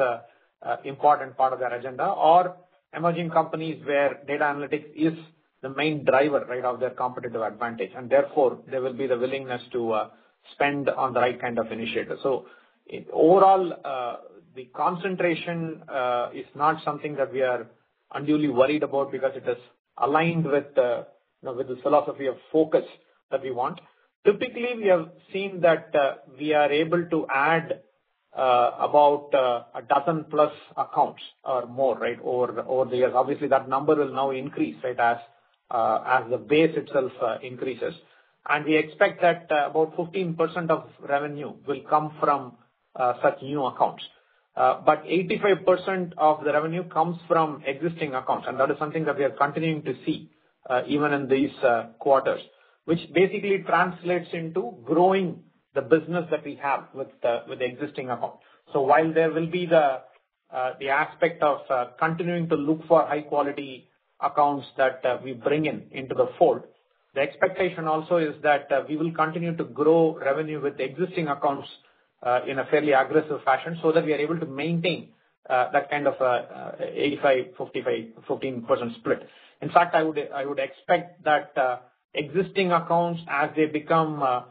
important part of their agenda, or emerging companies where data analytics is the main driver, right, of their competitive advantage. Therefore, there will be the willingness to spend on the right kind of initiator. In overall, the concentration is not something that we are unduly worried about because it is aligned with, you know, with the philosophy of focus that we want. Typically, we have seen that we are able to add about a dozen plus accounts or more, right, over the years. Obviously, that number will now increase, right, as the base itself increases. We expect that about 15% of revenue will come from such new accounts. 85% of the revenue comes from existing accounts, and that is something that we are continuing to see even in these quarters. Which basically translates into growing the business that we have with the existing accounts. While there will be the aspect of continuing to look for high quality accounts that we bring in into the fold, the expectation also is that we will continue to grow revenue with the existing accounts in a fairly aggressive fashion so that we are able to maintain that kind of 85, 55, 15% split. In fact, I would expect that existing accounts, as they become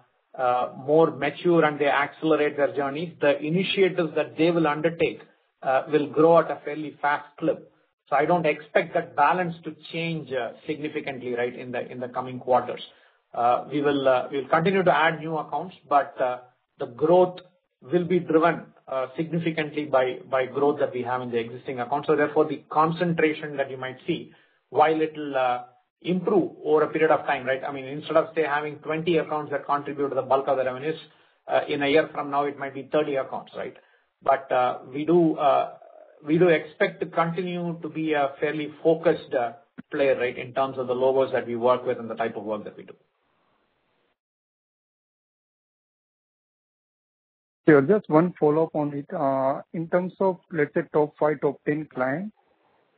more mature and they accelerate their journeys, the initiatives that they will undertake will grow at a fairly fast clip. I don't expect that balance to change significantly, right, in the coming quarters. We'll continue to add new accounts, but the growth will be driven significantly by growth that we have in the existing accounts. Therefore, the concentration that you might see while it'll improve over a period of time, right? I mean, instead of, say, having 20 accounts that contribute to the bulk of the revenues in a year from now it might be 30 accounts, right? We do expect to continue to be a fairly focused player, right, in terms of the logos that we work with and the type of work that we do. Yeah. Just one follow-up on it. In terms of, let's say top 5, top 10 clients,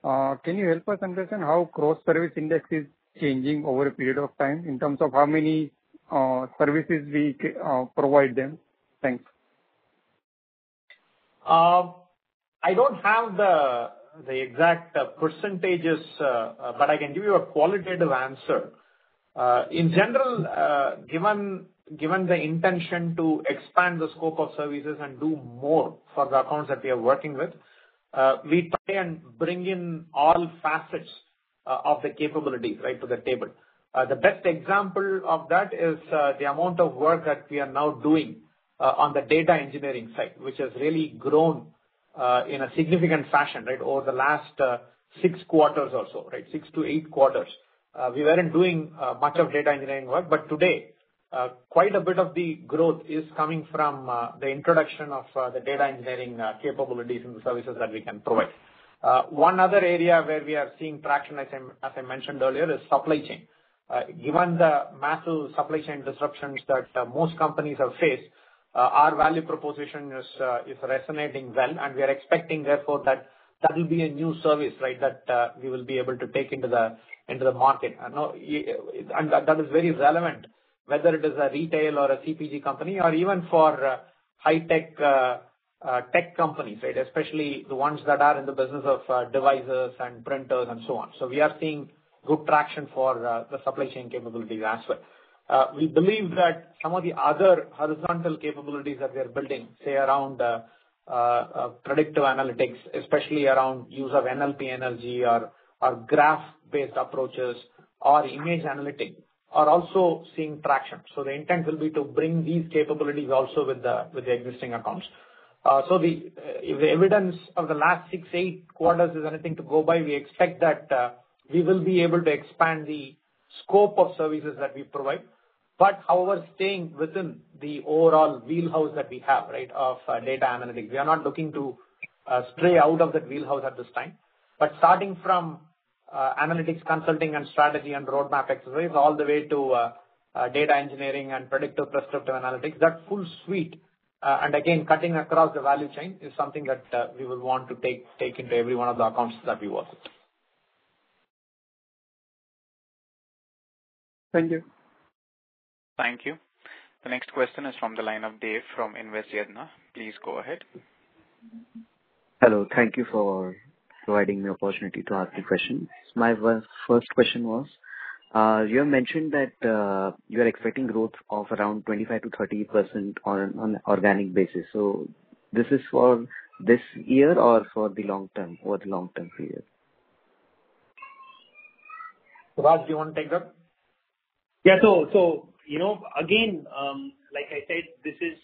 can you help us understand how gross service index is changing over a period of time in terms of how many services we provide them? Thanks. I don't have the exact percentages, but I can give you a qualitative answer. In general, given the intention to expand the scope of services and do more for the accounts that we are working with, we try and bring in all facets of the capabilities, right, to the table. The best example of that is the amount of work that we are now doing on the data engineering side, which has really grown in a significant fashion, right, over the last six quarters or so, right? six to eight quarters. We weren't doing much of data engineering work, but today quite a bit of the growth is coming from the introduction of the data engineering capabilities and the services that we can provide. One other area where we are seeing traction, as I mentioned earlier, is supply chain. Given the massive supply chain disruptions that most companies have faced, our value proposition is resonating well, and we are expecting therefore that will be a new service, right, that we will be able to take into the market. I know, and that is very relevant, whether it is a retail or a CPG company or even for high tech companies, right? Especially the ones that are in the business of devices and printers and so on. We are seeing good traction for the supply chain capabilities as well. We believe that some of the other horizontal capabilities that we are building, say around predictive analytics, especially around use of NLP, NLG or graph-based approaches or image analytics, are also seeing traction. The intent will be to bring these capabilities also with the existing accounts. If the evidence of the last six, eight quarters is anything to go by, we expect that we will be able to expand the scope of services that we provide. However staying within the overall wheelhouse that we have, right, of data analytics. We are not looking to stray out of that wheelhouse at this time. Starting from analytics consulting and strategy and roadmap exercises, all the way to data engineering and predictive prescriptive analytics, that full suite, and again, cutting across the value chain is something that we will want to take into every one of the accounts that we work with. Thank you. Thank you. The next question is from the line of Dave from Invest Yadnya. Please go ahead. Hello. Thank you for providing me opportunity to ask the question. My first question was, you have mentioned that, you are expecting growth of around 25%-30% on organic basis. This is for this year or for the long term, over the long-term period? Subhash, do you wanna take that? Yeah. You know, again, like I said, this is,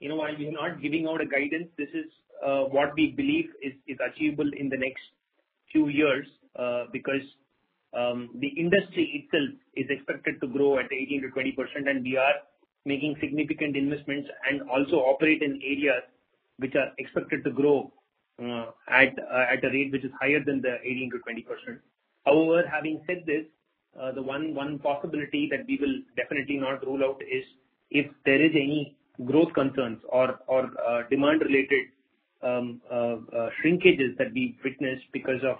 you know, while we're not giving out a guidance, this is what we believe is achievable in the next few years, because the industry itself is expected to grow at 18%-20%, and we are making significant investments and also operate in areas which are expected to grow at a rate which is higher than the 18%-20%. However, having said this, the one possibility that we will definitely not rule out is if there is any growth concerns or demand-related shrinkages that we've witnessed because of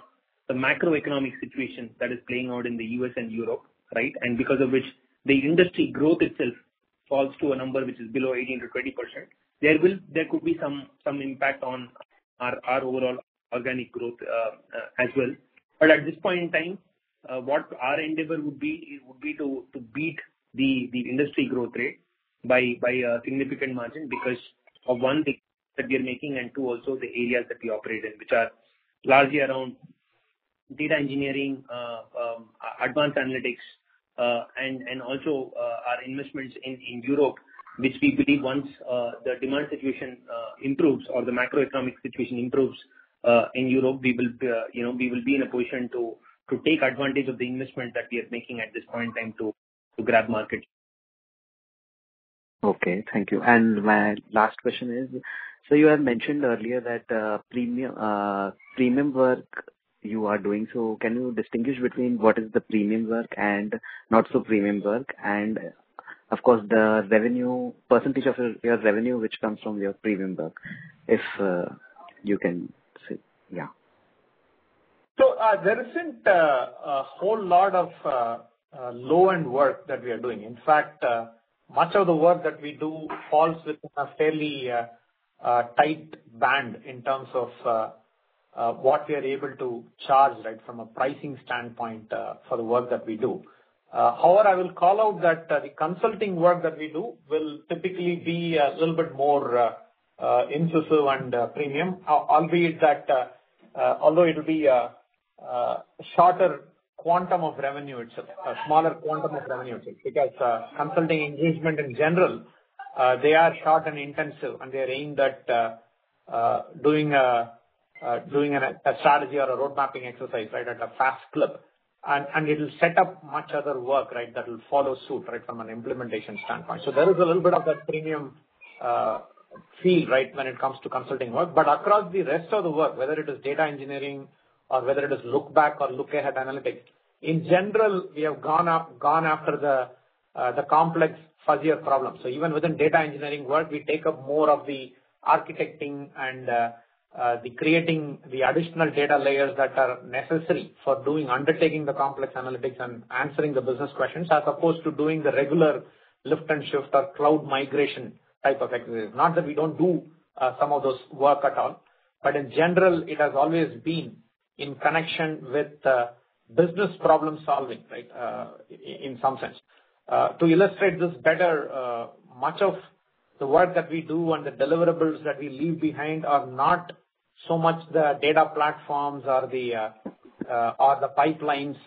the macroeconomic situation that is playing out in the US and Europe, right? Because of which the industry growth itself falls to a number which is below 18%-20%, there could be some impact on our overall organic growth, as well. At this point in time, what our endeavor would be, it would be to beat the industry growth rate by a significant margin because of, one, the that we are making, and two, also the areas that we operate in, which are largely around data engineering, advanced analytics. Our investments in Europe, which we believe once the demand situation improves or the macroeconomic situation improves in Europe, we will, you know, be in a position to take advantage of the investment that we are making at this point in time to grab market. Okay. Thank you. My last question is, so you have mentioned earlier that premium work you are doing, so can you distinguish between what is the premium work and not so premium work? And of course, the revenue percentage of your revenue which comes from your premium work, if you can say. Yeah. There isn't a whole lot of low-end work that we are doing. In fact, much of the work that we do falls within a fairly tight band in terms of what we are able to charge, right? From a pricing standpoint, for the work that we do. However, I will call out that the consulting work that we do will typically be a little bit more intensive and premium, although it'll be a smaller quantum of revenue itself. Because consulting engagement in general they are short and intensive, and they are aimed at doing a strategy or a road mapping exercise, right? At a fast clip. It'll set up much other work, right? That will follow suit, right? From an implementation standpoint. There is a little bit of that premium feel, right? When it comes to consulting work. Across the rest of the work, whether it is data engineering or whether it is look-back or look-ahead analytics, in general, we have gone after the complex, fuzzier problems. Even within data engineering work, we take up more of the architecting and the creating the additional data layers that are necessary for doing undertaking the complex analytics and answering the business questions as opposed to doing the regular lift and shift or cloud migration type of activities. Not that we don't do some of those work at all, but in general, it has always been in connection with business problem solving, right? In some sense. To illustrate this better, much of the work that we do and the deliverables that we leave behind are not so much the data platforms or the pipelines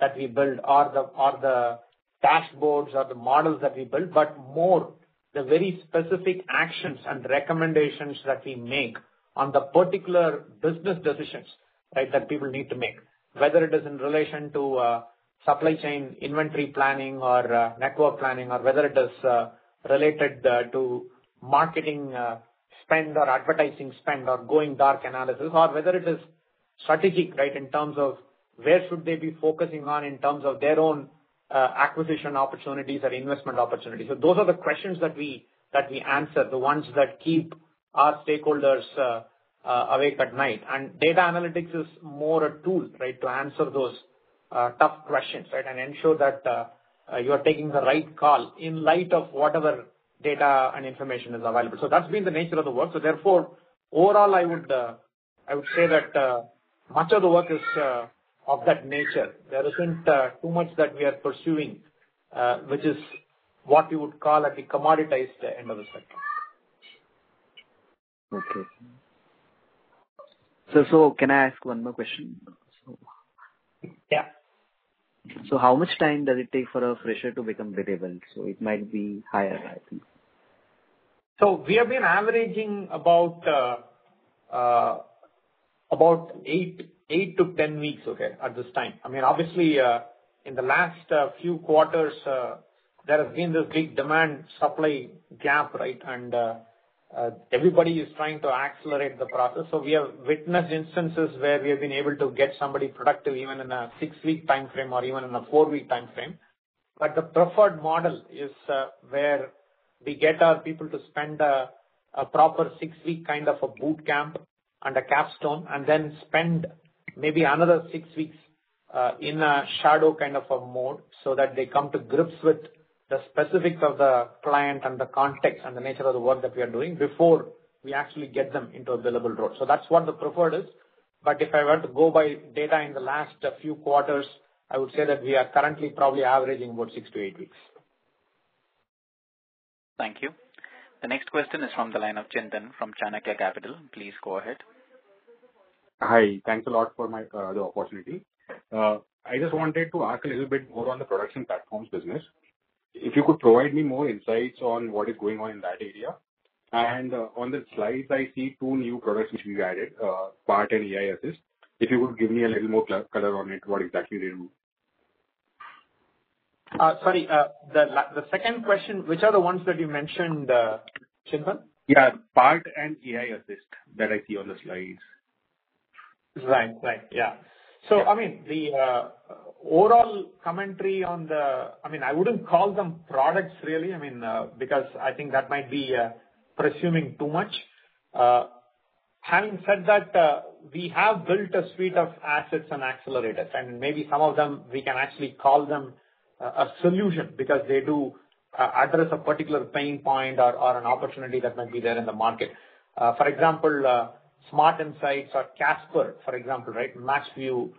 that we build or the dashboards or the models that we build, but more the very specific actions and recommendations that we make on the particular business decisions, right? That people need to make. Whether it is in relation to supply chain inventory planning or network planning or whether it is related to marketing spend or advertising spend or going dark analysis or whether it is strategic, right? In terms of where should they be focusing on in terms of their own acquisition opportunities or investment opportunities. Those are the questions that we answer, the ones that keep our stakeholders awake at night. Data analytics is more a tool, right? To answer those tough questions, right? Ensure that you are taking the right call in light of whatever data and information is available. That's been the nature of the work. Therefore, overall, I would say that much of the work is of that nature. There isn't too much that we are pursuing which is what you would call at the commoditized end of the spectrum. Okay. Can I ask one more question? Yeah. How much time does it take for a fresher to become billable? It might be higher, I think. We have been averaging about 8-10 weeks, okay, at this time. I mean, obviously, in the last few quarters, there has been this big demand supply gap, right? Everybody is trying to accelerate the process. We have witnessed instances where we have been able to get somebody productive even in a six week timeframe or even in a four week timeframe. The preferred model is where we get our people to spend a proper six week kind of a boot camp and a capstone, and then spend maybe another six weeks in a shadow kind of a mode so that they come to grips with the specifics of the client and the context and the nature of the work that we are doing before we actually get them into a billable role. That's what the preferred is. If I were to go by data in the last few quarters, I would say that we are currently probably averaging about six to eight weeks. Thank you. The next question is from the line of Chintan from Chanakya Capital. Please go ahead. Hi. Thanks a lot for the opportunity. I just wanted to ask a little bit more on the production platforms business. If you could provide me more insights on what is going on in that area. On the slides I see two new products which you've added, PART and AI Assist. If you could give me a little more color on it, what exactly they do. Sorry, the second question, which are the ones that you mentioned, Chintan? Yeah, PART and AI Assist that I see on the slides. Right. Right. Yeah. Yeah. I mean, overall commentary on the I mean, I wouldn't call them products really, I mean, because I think that might be presuming too much. Having said that, we have built a suite of assets and accelerators. Maybe some of them we can actually call them a solution because they do address a particular pain point or an opportunity that might be there in the market. For example, SmartInsights or Casper, for example, right? MatchView,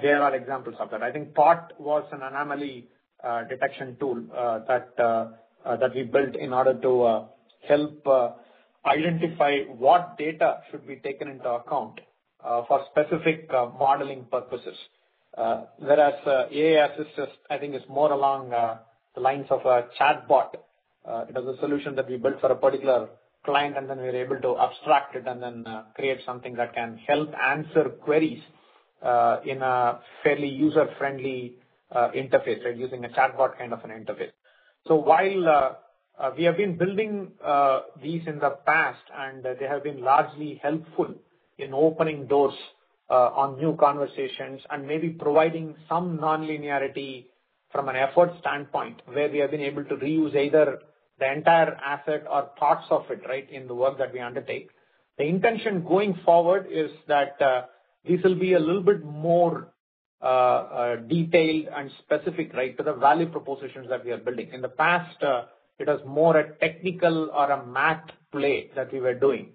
they are examples of that. I think PART was an anomaly detection tool that we built in order to help identify what data should be taken into account for specific modeling purposes. Whereas AI Assist is, I think, more along the lines of a chatbot. It was a solution that we built for a particular client and then we were able to abstract it and then create something that can help answer queries in a fairly user-friendly interface, right? Using a chatbot kind of an interface. While we have been building these in the past and they have been largely helpful in opening doors on new conversations and maybe providing some nonlinearity from an effort standpoint where we have been able to reuse either the entire asset or parts of it, right, in the work that we undertake. The intention going forward is that this will be a little bit more detailed and specific, right, to the value propositions that we are building. In the past, it was more a technical or a math play that we were doing,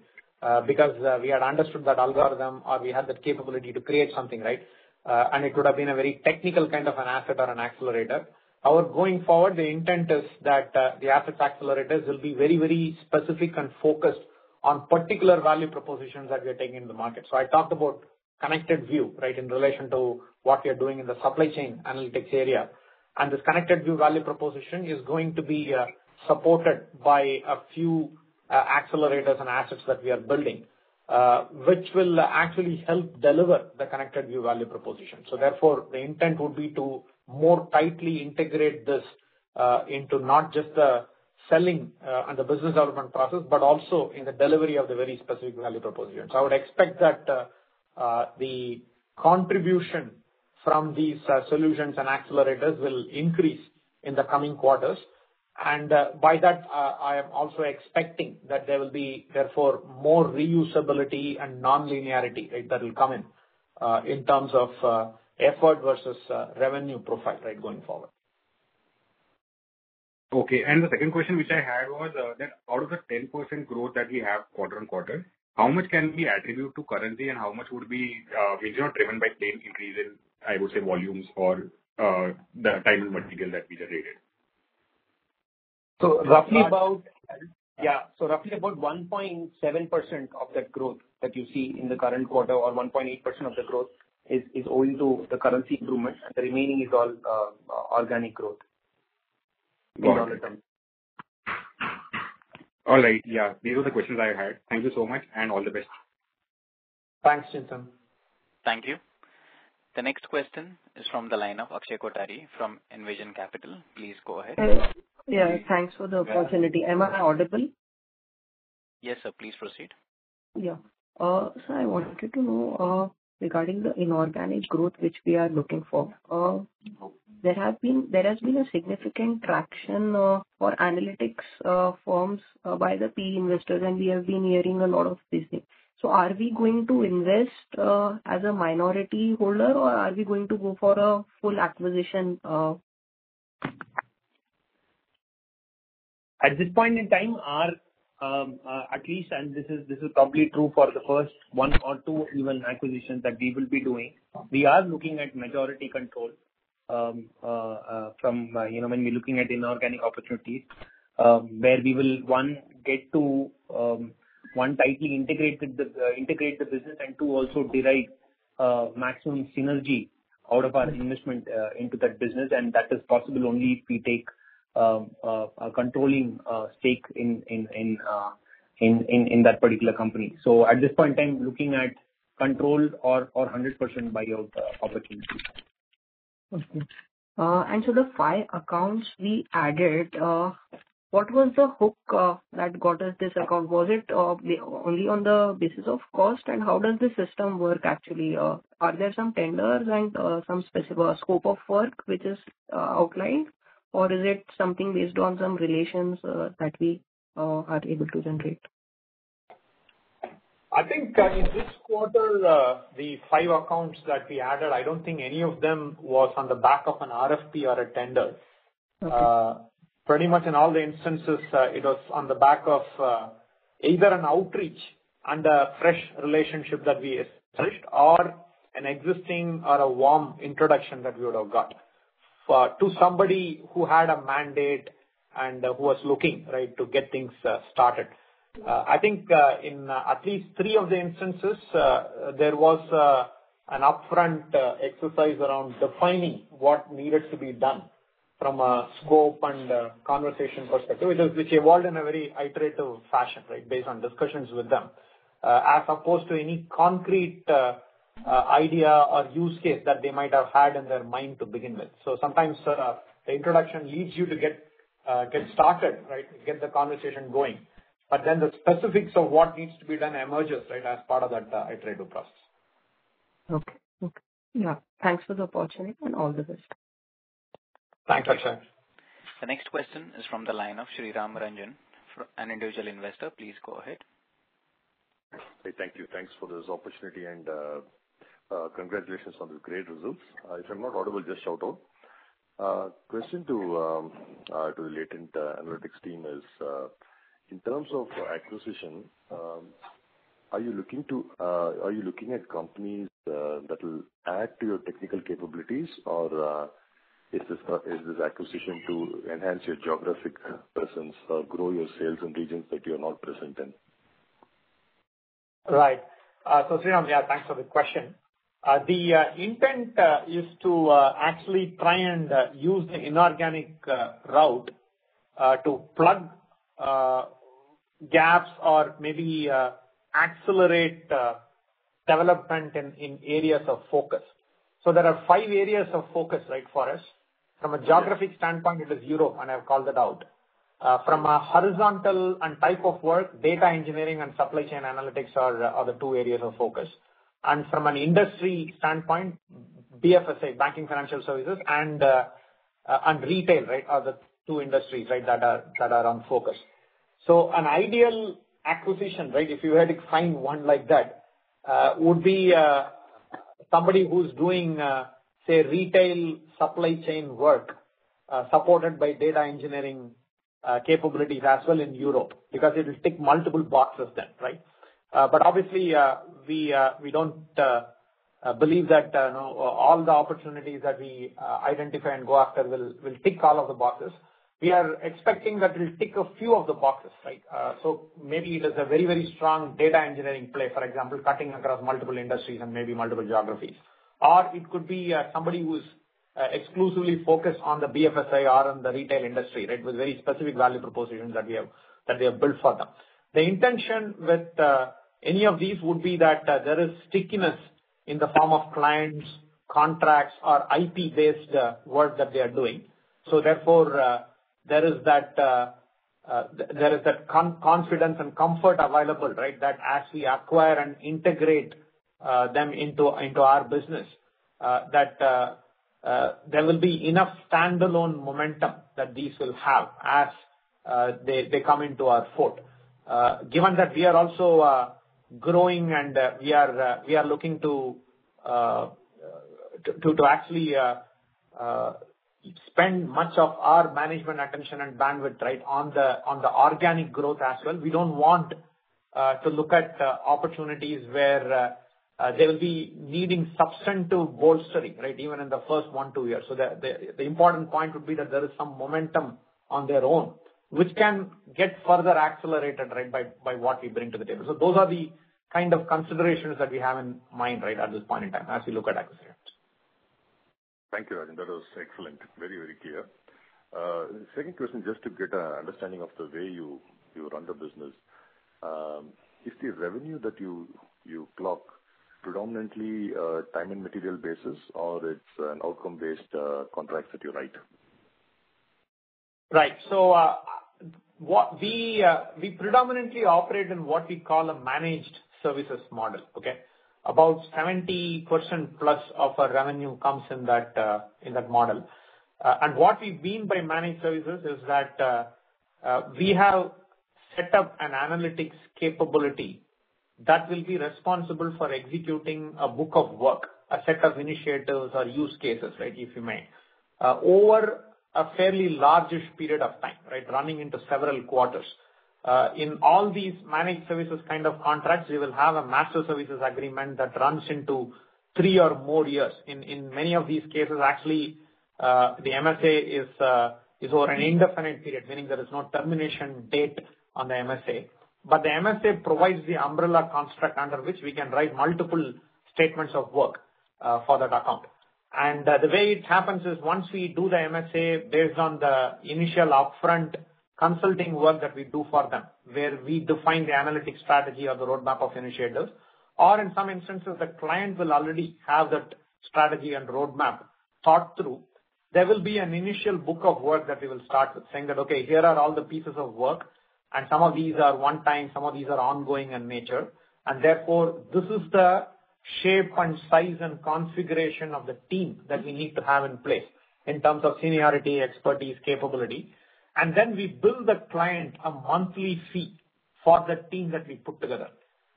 because we had understood that algorithm or we had the capability to create something, right? It would have been a very technical kind of an asset or an accelerator. However, going forward, the intent is that the asset accelerators will be very, very specific and focused on particular value propositions that we are taking in the market. I talked about ConnectedView, right, in relation to what we are doing in the supply chain analytics area. This ConnectedView value proposition is going to be supported by a few accelerators and assets that we are building, which will actually help deliver the ConnectedView value proposition. Therefore, the intent would be to more tightly integrate this into not just the selling and the business development process, but also in the delivery of the very specific value propositions. I would expect that the contribution from these solutions and accelerators will increase in the coming quarters. By that, I am also expecting that there will be therefore more reusability and nonlinearity, right, that will come in in terms of effort versus revenue profile, right, going forward. Okay. The second question which I had was, that out of the 10% growth that we have quarter-on-quarter, how much can we attribute to currency and how much would be driven by plain increase in, I would say, volumes or the total material that we generated? Roughly about. Yeah. Yeah. Roughly about 1.7% of that growth that you see in the current quarter or 1.8% of the growth is owing to the currency improvement and the remaining is all organic growth. Got it. In all the terms. All right. Yeah. These are the questions I had. Thank you so much and all the best. Thanks, Chintan. Thank you. The next question is from the line of Akshay Kothari from Envision Capital. Please go ahead. Yes. Yeah, thanks for the opportunity. Am I audible? Yes, sir. Please proceed. Yeah. I wanted to know regarding the inorganic growth which we are looking for. There has been a significant traction for analytics firms by the PE investors, and we have been hearing a lot of these things. Are we going to invest as a minority holder or are we going to go for a full acquisition? At this point in time, at least, this is probably true for the first one or two even acquisitions that we will be doing, we are looking at majority control, you know, when we're looking at inorganic opportunities, where we will, one, get to tightly integrate the business and, two, also derive maximum synergy out of our investment into that business and that is possible only if we take a controlling stake in that particular company. At this point in time, looking at controlled or 100% buyout opportunities. Okay. The five accounts we added, what was the hook that got us this account? Was it only on the basis of cost and how does the system work actually? Are there some tenders and some specific scope of work which is outlined or is it something based on some relations that we are able to generate? I think, I mean, this quarter, the five accounts that we added, I don't think any of them was on the back of an RFP or a tender. Okay. Pretty much in all the instances, it was on the back of either an outreach and a fresh relationship that we established or an existing or a warm introduction that we would have got to somebody who had a mandate and who was looking, right, to get things started. I think in at least three of the instances, there was an upfront exercise around defining what needed to be done from a scope and a conversation perspective, which evolved in a very iterative fashion, right? Based on discussions with them, as opposed to any concrete idea or use case that they might have had in their mind to begin with. Sometimes, the introduction leads you to get started, right, get the conversation going, but then the specifics of what needs to be done emerges, right, as part of that iterative process. Okay. Yeah. Thanks for the opportunity and all the best. Thanks, Akshay. The next question is from the line of Sriram Rajan, an individual investor. Please go ahead. Thank you. Thanks for this opportunity and congratulations on the great results. If I'm not audible, just shout out. Question to the Latent View Analytics team is, in terms of acquisition, are you looking at companies that will add to your technical capabilities? Or is this acquisition to enhance your geographic presence or grow your sales in regions that you're not present in? Right. Sriram, yeah, thanks for the question. The intent is to actually try and use the inorganic route to plug gaps or maybe accelerate development in areas of focus. There are five areas of focus, right, for us. From a geographic standpoint, it is Europe, and I've called it out. From a horizontal and type of work, data engineering and supply chain analytics are the two areas of focus. From an industry standpoint, BFSI, banking financial services and retail, right, are the two industries, right, that are on focus. An ideal acquisition, right, if you had to find one like that, would be somebody who's doing, say, retail supply chain work, supported by data engineering capabilities as well in Europe, because it'll tick multiple boxes then, right? Obviously, we don't believe that, you know, all the opportunities that we identify and go after will tick all of the boxes. We are expecting that we'll tick a few of the boxes, right? Maybe there's a very strong data engineering play, for example, cutting across multiple industries and maybe multiple geographies. It could be somebody who's exclusively focused on the BFSI or on the retail industry, right? With very specific value propositions that we have built for them. The intention with any of these would be that there is stickiness in the form of clients, contracts or IP-based work that they are doing. There is that confidence and comfort available, right? That as we acquire and integrate them into our business, that there will be enough standalone momentum that these will have as they come into our fold. Given that we are also growing and we are looking to actually spend much of our management attention and bandwidth, right, on the organic growth as well, we don't want to look at opportunities where they'll be needing substantive bolstering, right? Even in the first one to two years. The important point would be that there is some momentum on their own which can get further accelerated, right, by what we bring to the table. Those are the kind of considerations that we have in mind, right, at this point in time, as we look at acquisitions. Thank you, Rajan. That was excellent. Very, very clear. Second question, just to get a understanding of the way you run the business. Is the revenue that you clock predominantly time and material basis or it's an outcome-based contracts that you write? Right. What we predominantly operate in what we call a managed services model, okay? About 70% plus of our revenue comes in that model. What we mean by managed services is that we have set up an analytics capability that will be responsible for executing a book of work, a set of initiatives or use cases, right, if you may, over a fairly largish period of time, right? Running into several quarters. In all these managed services kind of contracts, we will have a master services agreement that runs into three or more years. In many of these cases actually, the MSA is over an indefinite period, meaning there is no termination date on the MSA. The MSA provides the umbrella construct under which we can write multiple statements of work, for that account. The way it happens is once we do the MSA based on the initial upfront consulting work that we do for them, where we define the analytics strategy or the roadmap of initiatives, or in some instances the client will already have that strategy and roadmap thought through, there will be an initial book of work that we will start with. Saying that, "Okay, here are all the pieces of work, and some of these are one time, some of these are ongoing in nature. And therefore, this is the shape and size and configuration of the team that we need to have in place in terms of seniority, expertise, capability." We bill the client a monthly fee for the team that we put together.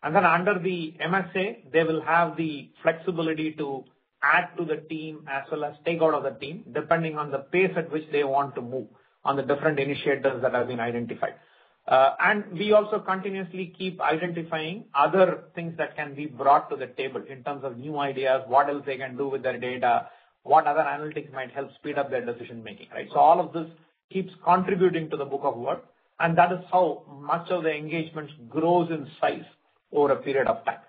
Under the MSA, they will have the flexibility to add to the team as well as take out of the team, depending on the pace at which they want to move on the different initiatives that have been identified. We also continuously keep identifying other things that can be brought to the table in terms of new ideas, what else they can do with their data, what other analytics might help speed up their decision-making, right? All of this keeps contributing to the book of work, and that is how much of the engagement grows in size over a period of time.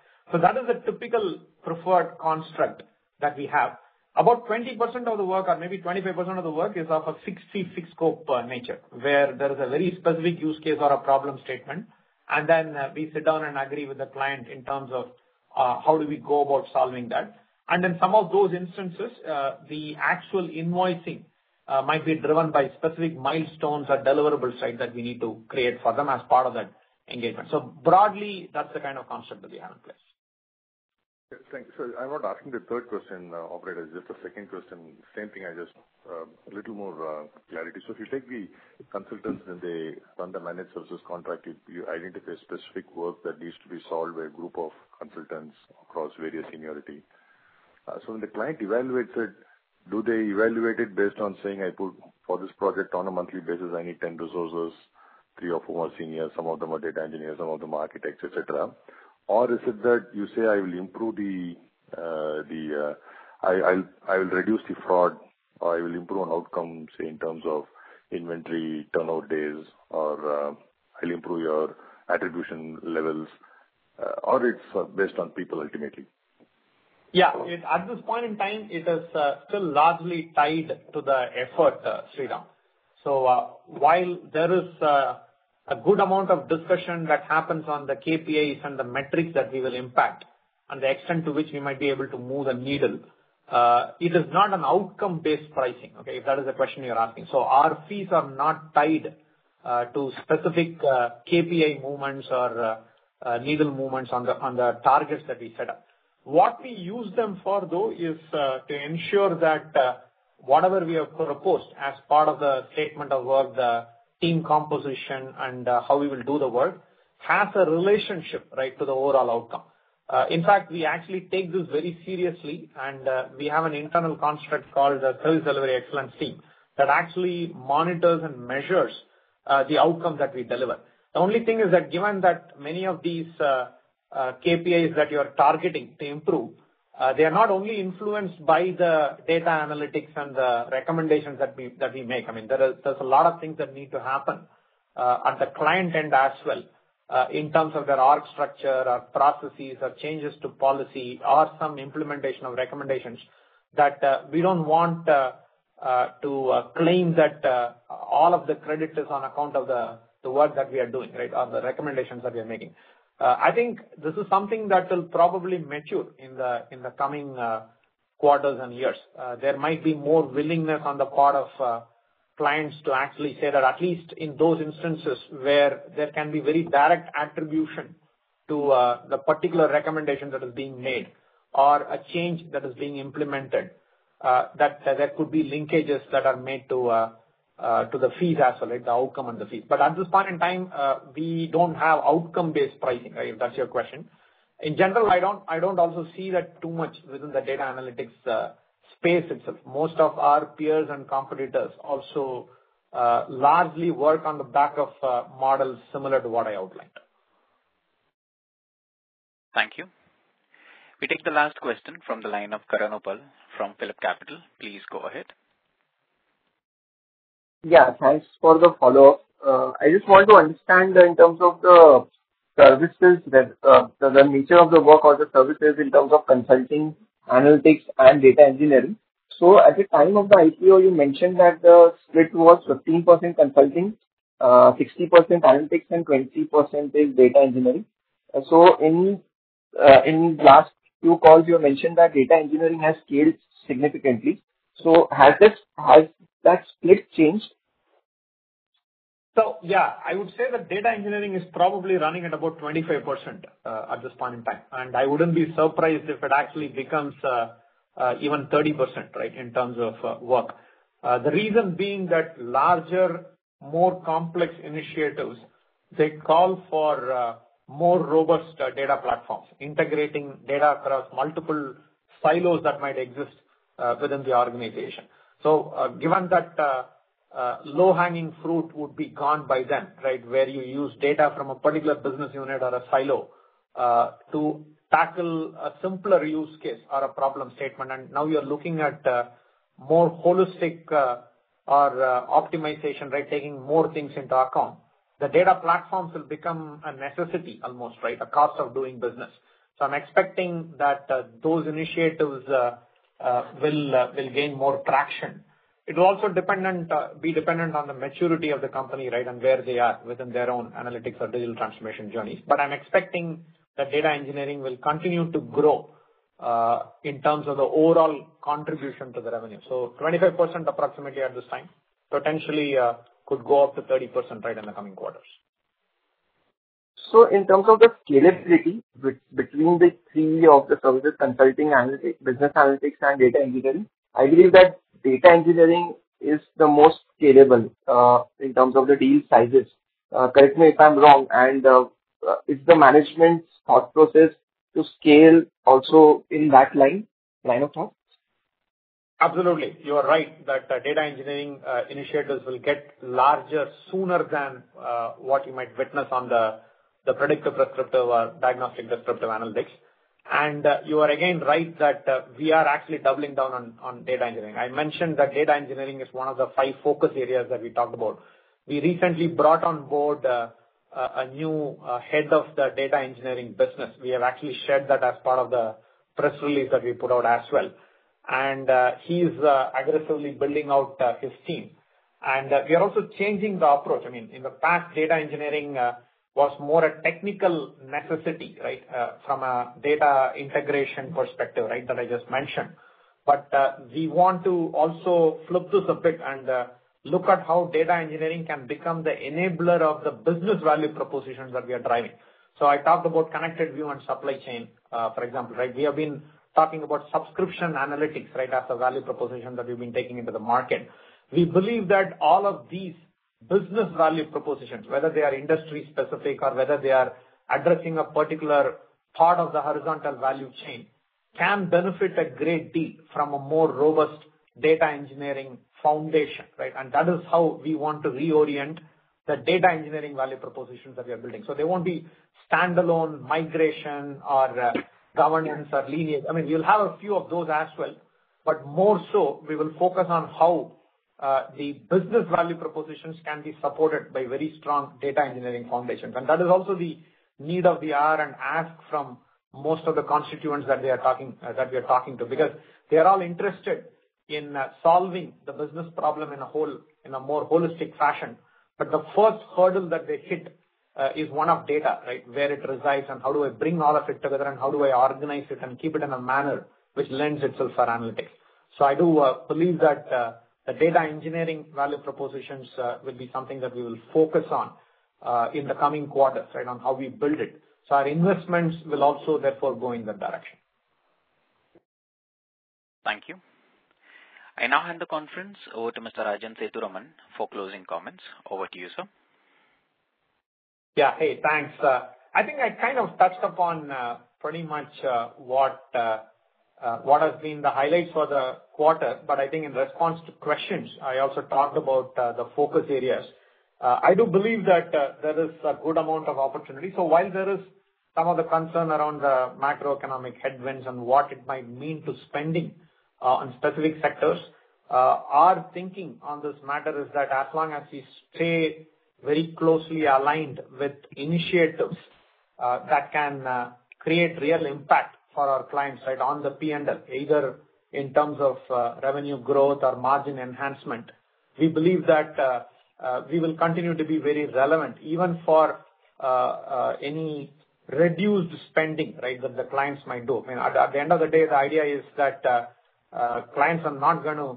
That is the typical preferred construct that we have. About 20% of the work or maybe 25% of the work is of a fixed fee, fixed scope nature, where there is a very specific use case or a problem statement, and then, we sit down and agree with the client in terms of, how do we go about solving that. In some of those instances, the actual invoicing might be driven by specific milestones or deliverables that we need to create for them as part of that engagement. Broadly, that's the kind of construct that we have in place. Yeah, thanks. I'm not asking the third question, operator, just the second question. Same thing, I just, a little more, clarity. If you take the consultants and they run the managed services contract, you identify specific work that needs to be solved by a group of consultants across various seniority. When the client evaluates it, do they evaluate it based on saying, "I put for this project on a monthly basis, I need 10 resources, three of whom are senior, some of them are data engineers, some of them are architects," et cetera? Or is it that you say, "I will improve the... I'll reduce the fraud, or I will improve on outcomes, say, in terms of inventory, turnover days or, I'll improve your attribution levels," or it's based on people ultimately? Yeah. At this point in time, it is still largely tied to the effort, Sriram. While there is a good amount of discussion that happens on the KPIs and the metrics that we will impact and the extent to which we might be able to move the needle, it is not an outcome-based pricing, okay? If that is the question you're asking. Our fees are not tied to specific KPI movements or needle movements on the targets that we set up. What we use them for, though, is to ensure that whatever we have proposed as part of the statement of work, the team composition and how we will do the work, has a relationship, right, to the overall outcome. In fact, we actually take this very seriously and we have an internal construct called a service delivery excellence team that actually monitors and measures the outcome that we deliver. The only thing is that given that many of these KPIs that you are targeting to improve, they are not only influenced by the data analytics and the recommendations that we make. I mean, there's a lot of things that need to happen at the client end as well in terms of their org structure or processes or changes to policy or some implementation of recommendations that we don't want to claim that all of the credit is on account of the work that we are doing, right? Or the recommendations that we are making. I think this is something that will probably mature in the coming quarters and years. There might be more willingness on the part of clients to actually say that at least in those instances where there can be very direct attribution to the particular recommendation that is being made or a change that is being implemented, that there could be linkages that are made to the fees as well, the outcome and the fees. At this point in time, we don't have outcome-based pricing, right, if that's your question. In general, I don't also see that too much within the data analytics space itself. Most of our peers and competitors also largely work on the back of models similar to what I outlined. Thank you. We take the last question from the line of Karan Uppal from PhillipCapital. Please go ahead. Yeah, thanks for the follow-up. I just want to understand in terms of the services that, the nature of the work or the services in terms of consulting, analytics and data engineering. At the time of the IPO, you mentioned that the split was 15% consulting, 60% analytics and 20% is data engineering. In last 2 calls you mentioned that data engineering has scaled significantly. Has that split changed? Yeah, I would say that data engineering is probably running at about 25%, at this point in time, and I wouldn't be surprised if it actually becomes even 30%, right, in terms of work. The reason being that larger, more complex initiatives, they call for more robust data platforms, integrating data across multiple silos that might exist within the organization. Given that the low-hanging fruit would be gone by then, right, where you use data from a particular business unit or a silo to tackle a simpler use case or a problem statement, and now you're looking at more holistic or optimization, right, taking more things into account. The data platforms will become a necessity almost, right? A cost of doing business. I'm expecting that those initiatives will gain more traction. It will also be dependent on the maturity of the company, right, and where they are within their own analytics or digital transformation journeys. I'm expecting that data engineering will continue to grow in terms of the overall contribution to the revenue. 25% approximately at this time, potentially, could go up to 30%, right, in the coming quarters. In terms of the scalability between the three of the services, consulting, business analytics and data engineering, I believe that data engineering is the most scalable in terms of the deal sizes. Correct me if I'm wrong, and is the management's thought process to scale also in that line of thought? Absolutely. You are right that data engineering initiatives will get larger sooner than what you might witness on the predictive, prescriptive or diagnostic descriptive analytics. You are again right that we are actually doubling down on data engineering. I mentioned that data engineering is one of the five focus areas that we talked about. We recently brought on board a new head of the data engineering business. We have actually shared that as part of the press release that we put out as well. He is aggressively building out his team. We are also changing the approach. I mean, in the past, data engineering was more a technical necessity, right, from a data integration perspective, right, that I just mentioned. We want to also flip this a bit and look at how data engineering can become the enabler of the business value propositions that we are driving. I talked about ConnectedView on supply chain, for example, right? We have been talking about subscription analytics, right, as a value proposition that we've been taking into the market. We believe that all of these business value propositions, whether they are industry-specific or whether they are addressing a particular part of the horizontal value chain, can benefit a great deal from a more robust data engineering foundation, right? That is how we want to reorient the data engineering value propositions that we are building. They won't be standalone migration or governance or lineage. I mean, we'll have a few of those as well, but more so we will focus on how the business value propositions can be supported by very strong data engineering foundations. That is also the need of the hour and ask from most of the constituents that we are talking to, because they are all interested in solving the business problem in a more holistic fashion. The first hurdle that they hit is one of data, right? Where it resides and how do I bring all of it together and how do I organize it and keep it in a manner which lends itself for analytics. I do believe that the data engineering value propositions will be something that we will focus on in the coming quarters, right, on how we build it. Our investments will also therefore go in that direction. Thank you. I now hand the conference over to Mr. Rajan Sethuraman for closing comments. Over to you, sir. Yeah. Hey, thanks. I think I kind of touched upon pretty much what has been the highlights for the quarter. I think in response to questions, I also talked about the focus areas. I do believe that there is a good amount of opportunity. While there is some of the concern around the macroeconomic headwinds and what it might mean to spending on specific sectors, our thinking on this matter is that as long as we stay very closely aligned with initiatives that can create real impact for our clients, right, on the P&L, either in terms of revenue growth or margin enhancement, we believe that we will continue to be very relevant even for any reduced spending, right, that the clients might do. I mean, at the end of the day, the idea is that clients are not gonna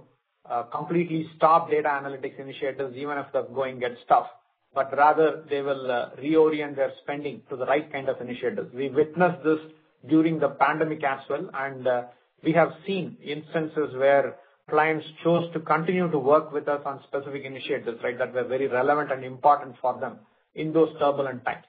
completely stop data analytics initiatives even if the going gets tough, but rather they will reorient their spending to the right kind of initiatives. We witnessed this during the pandemic as well, and we have seen instances where clients chose to continue to work with us on specific initiatives, right, that were very relevant and important for them in those turbulent times.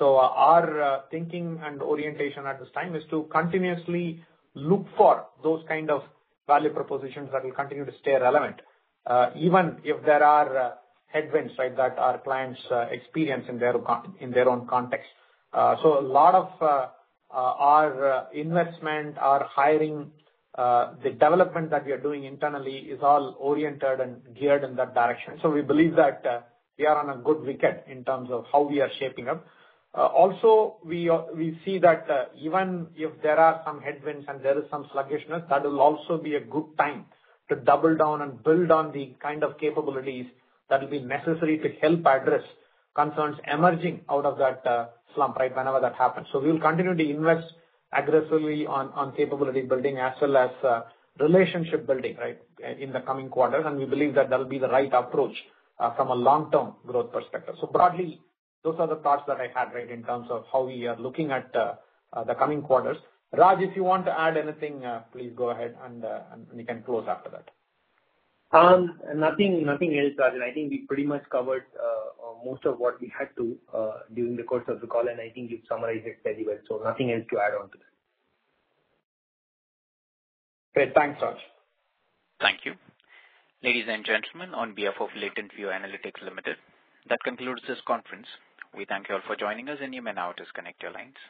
Our thinking and orientation at this time is to continuously look for those kind of value propositions that will continue to stay relevant, even if there are headwinds, right, that our clients experience in their own context. A lot of our investment, our hiring, the development that we are doing internally is all oriented and geared in that direction. We believe that we are on a good wicket in terms of how we are shaping up. Also we see that even if there are some headwinds and there is some sluggishness, that will also be a good time to double down and build on the kind of capabilities that will be necessary to help address concerns emerging out of that slump, right, whenever that happens. We will continue to invest aggressively on capability building as well as relationship building, right, in the coming quarters. We believe that that'll be the right approach from a long-term growth perspective. Broadly, those are the thoughts that I had, right, in terms of how we are looking at the coming quarters. Raj, if you want to add anything, please go ahead and we can close after that. Nothing else, Rajan. I think we pretty much covered most of what we had to during the course of the call, and I think you've summarized it very well. Nothing else to add on to that. Great. Thanks, Raj. Thank you. Ladies and gentlemen, on behalf of Latent View Analytics Limited, that concludes this conference. We thank you all for joining us. You may now disconnect your lines.